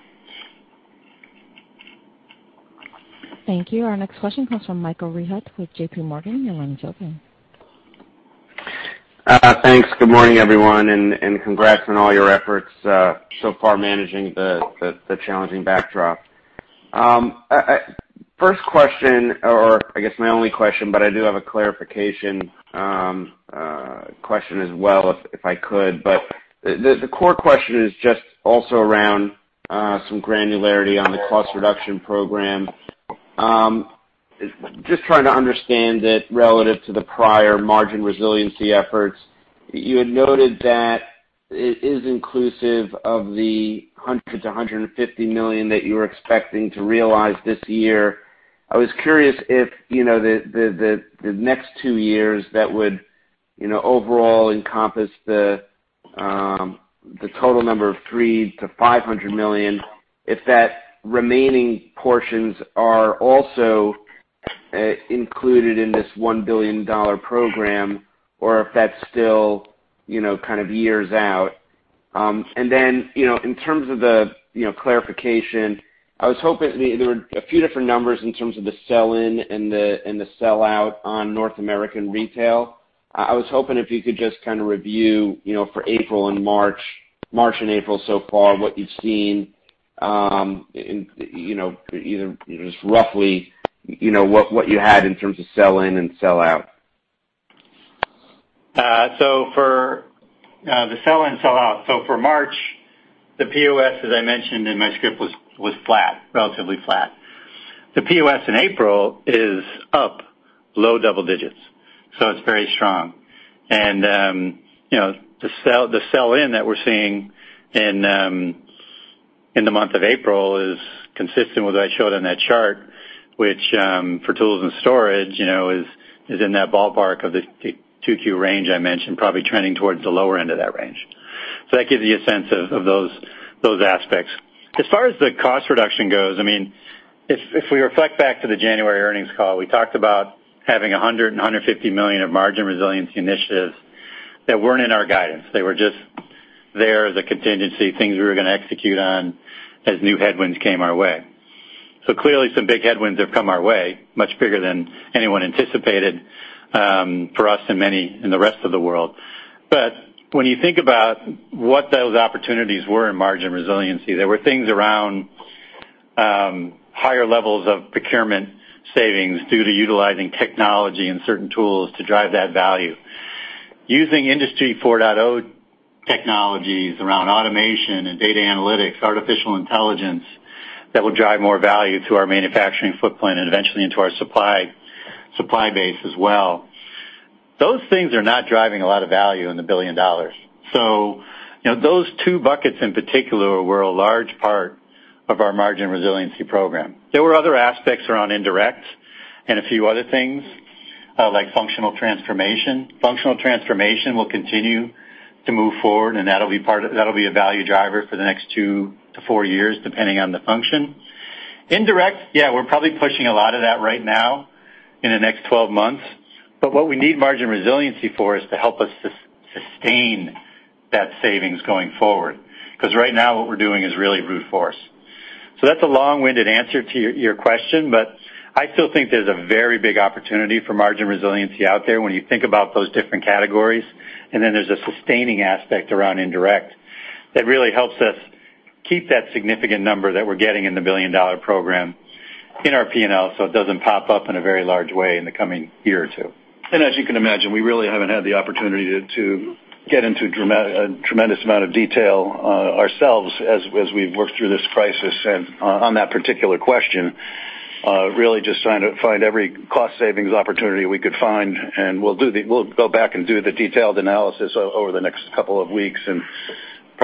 Thank you. Our next question comes from Michael Rehaut with JPMorgan. Your line is open. Thanks. Good morning, everyone. Congrats on all your efforts so far managing the challenging backdrop. First question or I guess my only question, I do have a clarification question as well, if I could. The core question is just also around some granularity on the cost reduction program. Just trying to understand that relative to the prior margin resiliency efforts, you had noted that it is inclusive of the $100-150 million that you were expecting to realize this year. I was curious if the next two years that would overall encompass the total number of $300-500 million, if that remaining portions are also included in this $1 billion program or if that's still kind of years out. In terms of the clarification, there were a few different numbers in terms of the sell-in and the sell-out on North American retail. I was hoping if you could just kind of review for March and April so far, what you've seen, either just roughly what you had in terms of sell-in and sell-out. For the sell-in, sell-out, for March, the POS, as I mentioned in my script, was relatively flat. The POS in April is up low double digits, so it's very strong. The sell-in that we're seeing in the month of April is consistent with what I showed on that chart, which, for tools and storage, is in that ballpark of the range I mentioned, probably trending towards the lower end of that range. That gives you a sense of those aspects. As far as the cost reduction goes, if we reflect back to the January earnings call, we talked about having $100 million and $150 million of margin resiliency initiatives that weren't in our guidance. They were just there as a contingency, things we were going to execute on as new headwinds came our way. Clearly, some big headwinds have come our way, much bigger than anyone anticipated for us and many in the rest of the world. When you think about what those opportunities were in margin resiliency, they were things around higher levels of procurement savings due to utilizing technology and certain tools to drive that value. Using Industry 4.0 technologies around automation and data analytics, artificial intelligence, that will drive more value to our manufacturing footprint and eventually into our supply base as well. Those things are not driving a lot of value in the $1 billion. Those two buckets in particular were a large part of our margin resiliency program. There were other aspects around indirect and a few other things like functional transformation. Functional transformation will continue to move forward, and that'll be a value driver for the next two to four years, depending on the function. Indirect, yeah, we're probably pushing a lot of that right now in the next 12 months, but what we need margin resiliency for is to help us sustain that savings going forward. Right now what we're doing is really brute force. That's a long-winded answer to your question, but I still think there's a very big opportunity for margin resiliency out there when you think about those different categories, and then there's a sustaining aspect around indirect that really helps us keep that significant number that we're getting in the billion-dollar program in our P&L so it doesn't pop up in a very large way in the coming year or two. As you can imagine, we really haven't had the opportunity to get into a tremendous amount of detail ourselves as we've worked through this crisis and on that particular question, really just trying to find every cost savings opportunity we could find. We'll go back and do the detailed analysis over the next couple of weeks.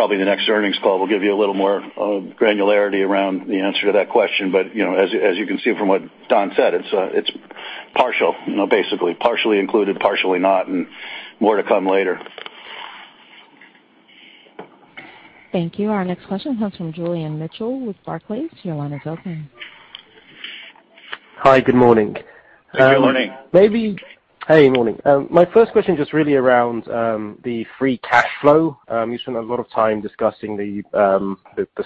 Probably the next earnings call will give you a little more granularity around the answer to that question. As you can see from what Donald said, it's partial, basically. Partially included, partially not, and more to come later. Thank you. Our next question comes from Julian Mitchell with Barclays. Your line is open. Hi. Good morning. Good morning. Hey, morning. My first question, just really around the free cash flow. You spent a lot of time discussing the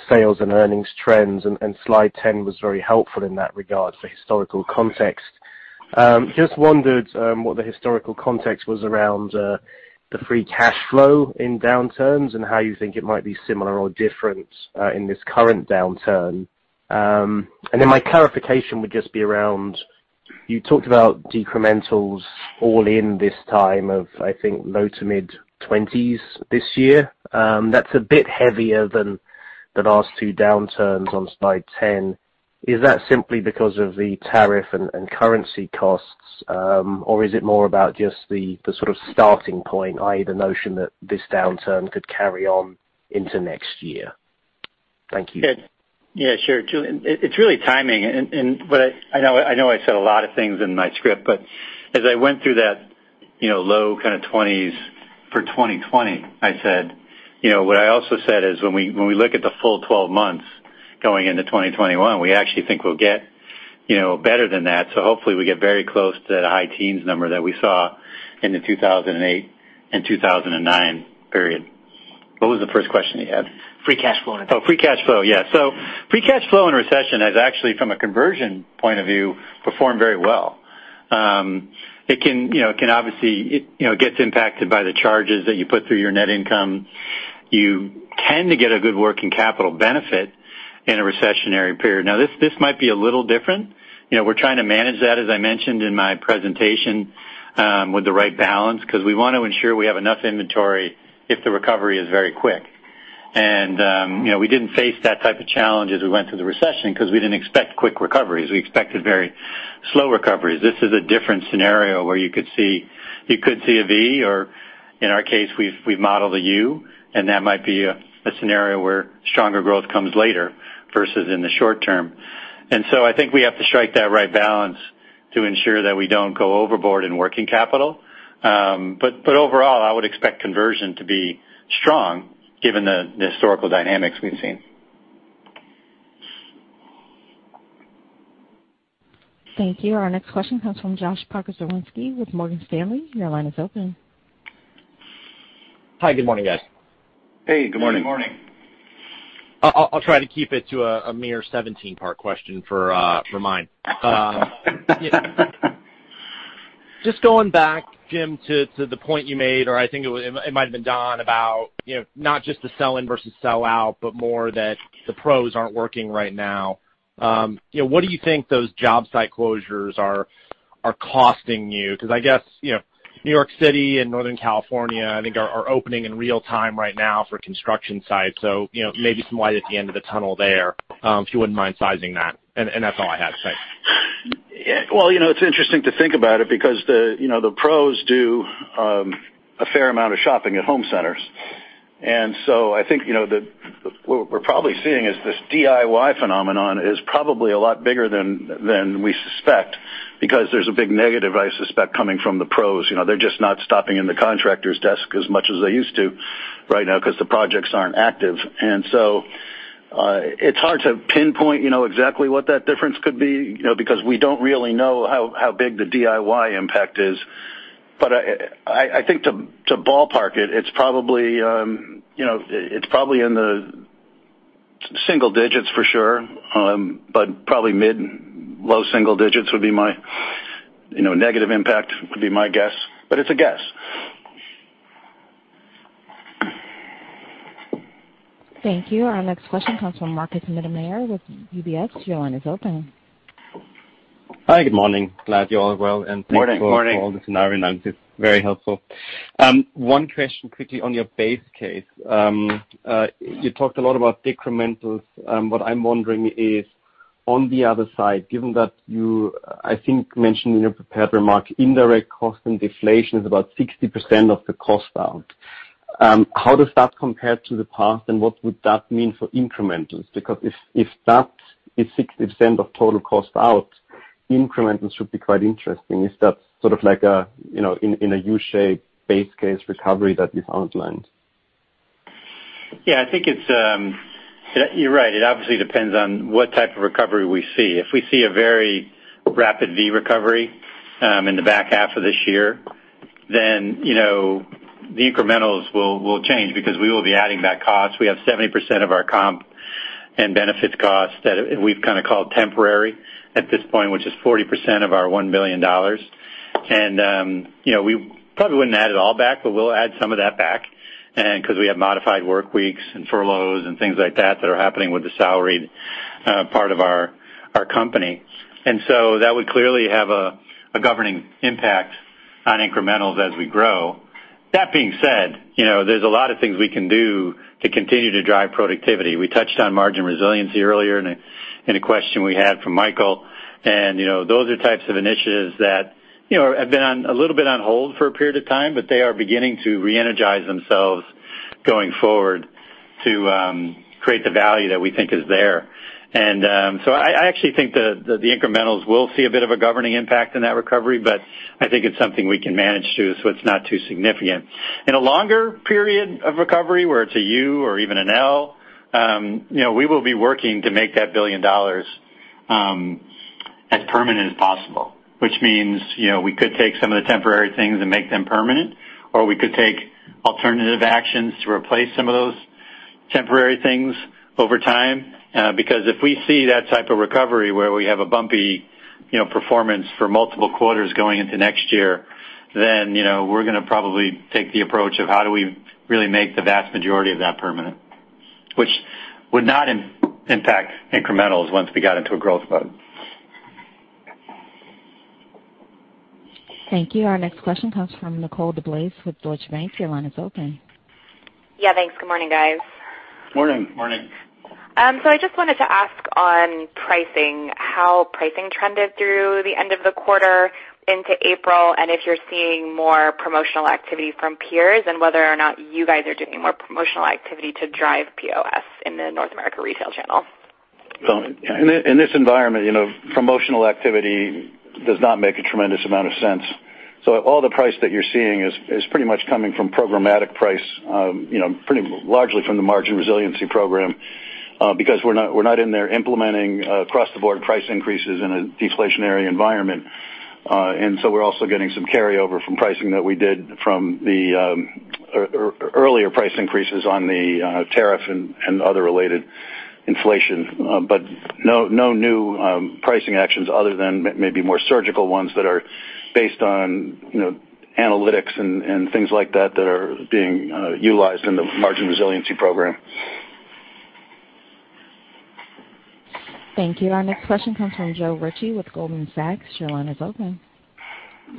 sales and earnings trends, and slide 10 was very helpful in that regard for historical context. Just wondered what the historical context was around the free cash flow in downturns and how you think it might be similar or different in this current downturn. My clarification would just be around, you talked about decrementals all in this time of, I think, low to mid-20s this year. That's a bit heavier than the last two downturns on slide 10. Is that simply because of the tariff and currency costs? Or is it more about just the sort of starting point, i.e., the notion that this downturn could carry on into next year? Thank you. Yeah, sure, Julian. It's really timing. I know I said a lot of things in my script, but as I went through that low kind of 20s for 2020, what I also said is when we look at the full 12 months going into 2021, we actually think we'll get better than that. Hopefully we get very close to that high teens number that we saw in the 2008 and 2009 period. What was the first question you had? Free cash flow. Free cash flow. Free cash flow in a recession has actually, from a conversion point of view, performed very well. It gets impacted by the charges that you put through your net income. You tend to get a good working capital benefit in a recessionary period. This might be a little different. We're trying to manage that, as I mentioned in my presentation, with the right balance, because we want to ensure we have enough inventory if the recovery is very quick. We didn't face that type of challenge as we went through the recession because we didn't expect quick recoveries. We expected very slow recoveries. This is a different scenario where you could see a V or, in our case, we've modeled a U, and that might be a scenario where stronger growth comes later versus in the short term. I think we have to strike that right balance to ensure that we don't go overboard in working capital. Overall, I would expect conversion to be strong given the historical dynamics we've seen. Thank you. Our next question comes from Josh Pokrzywinski with Morgan Stanley. Your line is open. Hi. Good morning, guys. Hey, good morning. Good morning. I'll try to keep it to a mere 17-part question for mine. Just going back, James, to the point you made, or I think it might've been Donald, about not just the sell-in versus sell out, but more that the pros aren't working right now. What do you think those job site closures are costing you? I guess, New York City and Northern California, I think, are opening in real time right now for construction sites. Maybe some light at the end of the tunnel there, if you wouldn't mind sizing that. That's all I had. Thanks. Well, it's interesting to think about it because the pros do a fair amount of shopping at home centers. I think what we're probably seeing is this DIY phenomenon is probably a lot bigger than we suspect because there's a big negative, I suspect, coming from the pros. They're just not stopping in the contractor's desk as much as they used to right now because the projects aren't active. It's hard to pinpoint exactly what that difference could be, because we don't really know how big the DIY impact is. I think to ballpark it's probably in the single digits for sure. Probably mid, low single digits would be my negative impact, would be my guess. It's a guess. Thank you. Our next question comes from Markus Mittermaier with UBS. Your line is open. Hi. Good morning. Glad you're all well. Morning. Morning. Thanks for all the scenario analysis. Very helpful. One question quickly on your base case. You talked a lot about decrementals. What I'm wondering is on the other side, given that you, I think, mentioned in your prepared remark, indirect cost and deflation is about 60% of the cost out. How does that compare to the past, and what would that mean for incrementals? If that is 60% of total cost out, incrementals should be quite interesting. Is that sort of like in a U-shaped base case recovery that you've outlined? I think you're right. It obviously depends on what type of recovery we see. If we see a very rapid V recovery in the back half of this year, then the incrementals will change because we will be adding back costs. We have 70% of our comp and benefits costs that we've kind of called temporary at this point, which is 40% of our $1 billion. We probably wouldn't add it all back, but we'll add some of that back because we have modified work weeks and furloughs and things like that that are happening with the salaried part of our company. That would clearly have a governing impact on incrementals as we grow. That being said, there's a lot of things we can do to continue to drive productivity. We touched on margin resiliency earlier in a question we had from Michael, and those are types of initiatives that have been a little bit on hold for a period of time, but they are beginning to re-energize themselves going forward to create the value that we think is there. I actually think that the incrementals will see a bit of a governing impact in that recovery, but I think it's something we can manage too, so it's not too significant. In a longer period of recovery, where it's a U or even an L, we will be working to make that $1 billion as permanent as possible, which means we could take some of the temporary things and make them permanent, or we could take alternative actions to replace some of those temporary things over time. If we see that type of recovery where we have a bumpy performance for multiple quarters going into next year, we're going to probably take the approach of how do we really make the vast majority of that permanent, which would not impact incrementals once we got into a growth mode. Thank you. Our next question comes from Nicole DeBlase with Deutsche Bank. Your line is open. Yeah, thanks. Good morning, guys. Morning. Morning. I just wanted to ask on pricing, how pricing trended through the end of the quarter into April, and if you're seeing more promotional activity from peers and whether or not you guys are doing more promotional activity to drive POS in the North America retail channel? In this environment, promotional activity does not make a tremendous amount of sense. All the price that you're seeing is pretty much coming from programmatic price, pretty largely from the margin resiliency program, because we're not in there implementing across-the-board price increases in a deflationary environment. We're also getting some carryover from pricing that we did from the earlier price increases on the tariff and other related inflation. No new pricing actions other than maybe more surgical ones that are based on analytics and things like that that are being utilized in the margin resiliency program. Thank you. Our next question comes from Joe Ritchie with Goldman Sachs. Your line is open.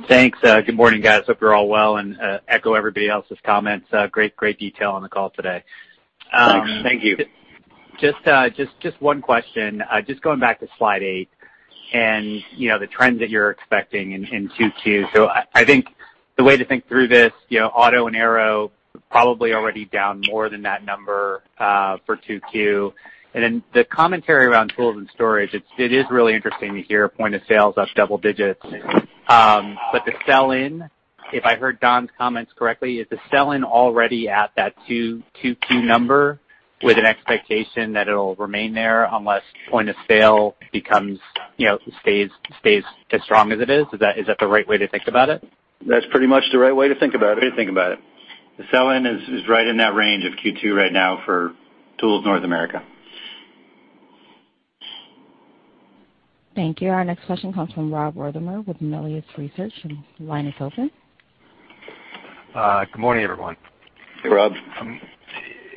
Thanks. Good morning, guys. Hope you're all well, and echo everybody else's comments. Great detail on the call today. Thank you. Just one question. Just going back to slide eight and the trends that you're expecting in Q2. I think the way to think through this, auto and aero probably already down more than that number for Q2. The commentary around tools and storage, it is really interesting to hear point of sales up double digits. The sell-in, if I heard Donald's comments correctly, is the sell-in already at that Q2 number with an expectation that it'll remain there unless point of sale stays as strong as it is? Is that the right way to think about it? That's pretty much the right way to think about it. Good way to think about it. The sell-in is right in that range of Q2 right now for Tools North America. Thank you. Our next question comes from Rob Wertheimer with Melius Research, and your line is open. Good morning, everyone. Hey, Rob.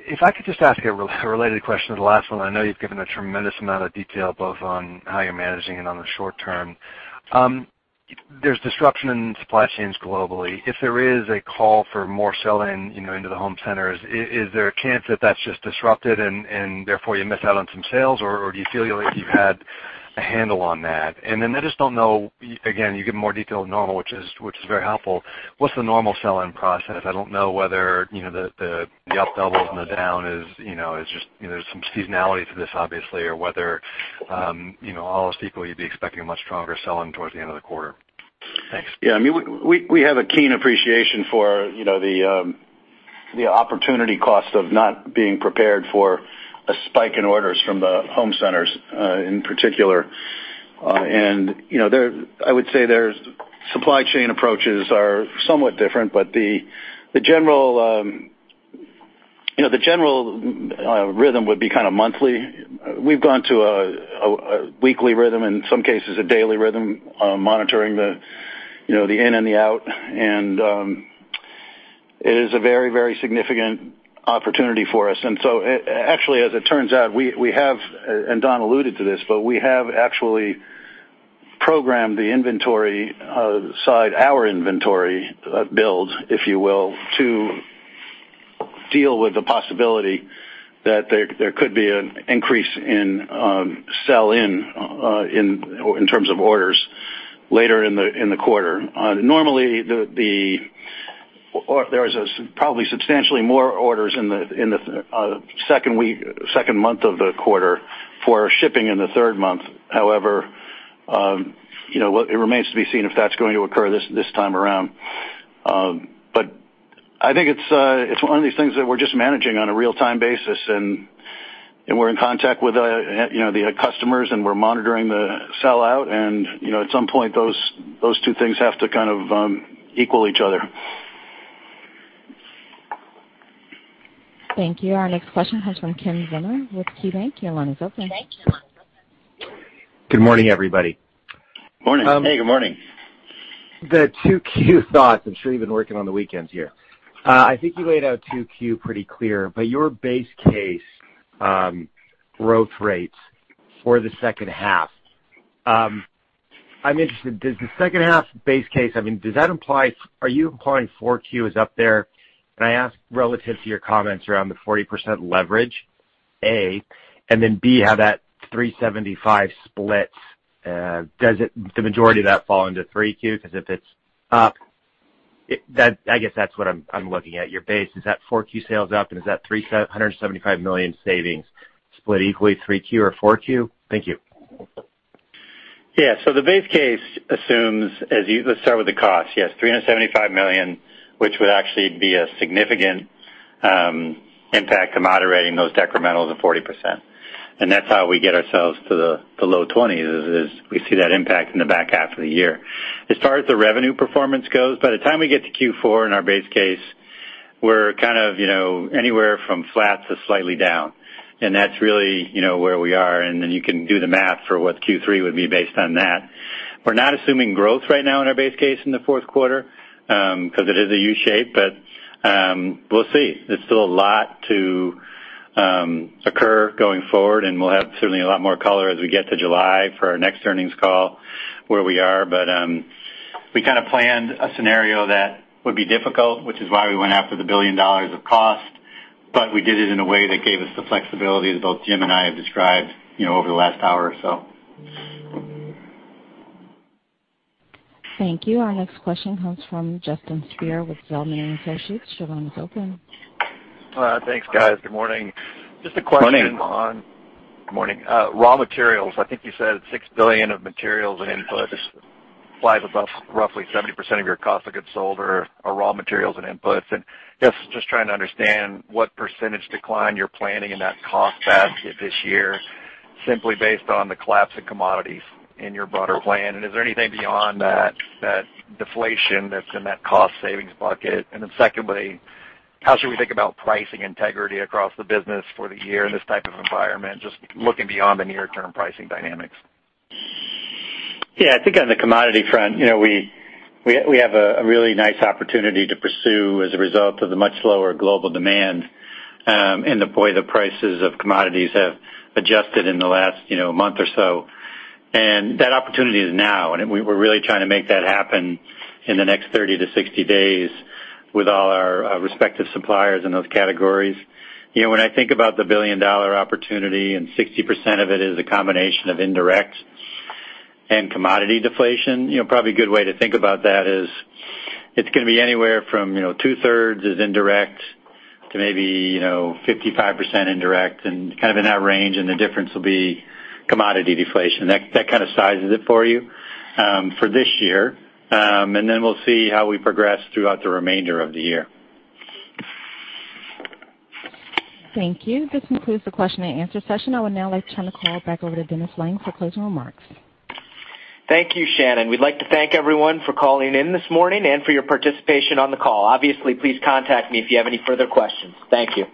If I could just ask a related question to the last one. I know you've given a tremendous amount of detail both on how you're managing it on the short term. There's disruption in supply chains globally. If there is a call for more sell-in into the home centers, is there a chance that that's just disrupted and therefore you miss out on some sales, or do you feel like you've had a handle on that? I just don't know, again, you give more detail than normal, which is very helpful. What's the normal sell-in process? I don't know whether the up doubles and the down is just some seasonality to this, obviously, or whether all else equal, you'd be expecting a much stronger sell-in towards the end of the quarter. Thanks. Yeah, we have a keen appreciation for the opportunity cost of not being prepared for a spike in orders from the home centers in particular. I would say their supply chain approaches are somewhat different, but the general rhythm would be kind of monthly. We've gone to a weekly rhythm, in some cases a daily rhythm, monitoring the in and the out, and it is a very, very significant opportunity for us. Actually, as it turns out, we have, and Donald alluded to this, but we have actually programmed the inventory side, our inventory build, if you will, to Deal with the possibility that there could be an increase in sell-in, in terms of orders later in the quarter. Normally, there is probably substantially more orders in the second month of the quarter for shipping in the third month. It remains to be seen if that's going to occur this time around. I think it's one of these things that we're just managing on a real-time basis, and we're in contact with the customers, and we're monitoring the sell-out. At some point, those two things have to kind of equal each other. Thank you. Our next question comes from Ken Zener with KeyBanc. Your line is open. Good morning, everybody. Morning. Hey, good morning. The Q2 thoughts, I'm sure you've been working on the weekends here. I think you laid out Q2 pretty clear. Your base case growth rates for the second half, I'm interested, does the second half base case, does that imply, are you implying Q4 is up there? I ask relative to your comments around the 40% leverage, A, and then B, how that $375 million splits. Does the majority of that fall into Q3? If it's up, I guess that's what I'm looking at. Your base, is that Q4 sales up and is that $375 million savings split equally Q3 or Q4? Thank you. The base case assumes, let's start with the cost. Yes, $375 million, which would actually be a significant impact to moderating those decrementals of 40%. That's how we get ourselves to the low 20s, is we see that impact in the back half of the year. As far as the revenue performance goes, by the time we get to Q4 in our base case, we're kind of anywhere from flat to slightly down. That's really where we are. Then you can do the math for what Q3 would be based on that. We're not assuming growth right now in our base case in the fourth quarter, because it is a U-shape. We'll see. There's still a lot to occur going forward. We'll have certainly a lot more color as we get to July for our next earnings call where we are. We kind of planned a scenario that would be difficult, which is why we went after the $1 billion of cost, but we did it in a way that gave us the flexibility that both James and I have described over the last hour or so. Thank you. Our next question comes from Justin Speer with Zelman & Associates. Your line is open. Thanks, guys. Good morning. Morning. Morning. Raw materials. I think you said $6 billion of materials and inputs, roughly 70% of your cost of goods sold are raw materials and inputs. Just trying to understand what percentage decline you're planning in that cost basket this year, simply based on the collapse in commodities in your broader plan. Is there anything beyond that deflation that's in that cost savings bucket? Secondly, how should we think about pricing integrity across the business for the year in this type of environment? Just looking beyond the near-term pricing dynamics. Yeah, I think on the commodity front, we have a really nice opportunity to pursue as a result of the much lower global demand, and the way the prices of commodities have adjusted in the last month or so. That opportunity is now, and we're really trying to make that happen in the next 30 to 60 days with all our respective suppliers in those categories. When I think about the billion-dollar opportunity and 60% of it is a combination of indirect and commodity deflation, probably a good way to think about that is it's going to be anywhere from two-thirds is indirect to maybe 55% indirect and kind of in that range, and the difference will be commodity deflation. That kind of sizes it for you for this year, and then we'll see how we progress throughout the remainder of the year. Thank you. This concludes the question and answer session. I would now like to turn the call back over to Dennis Lange for closing remarks. Thank you, Shannon. We'd like to thank everyone for calling in this morning and for your participation on the call. Obviously, please contact me if you have any further questions. Thank you.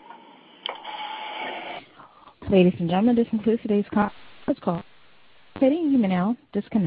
Ladies and gentlemen, this concludes today's conference call. You may now disconnect.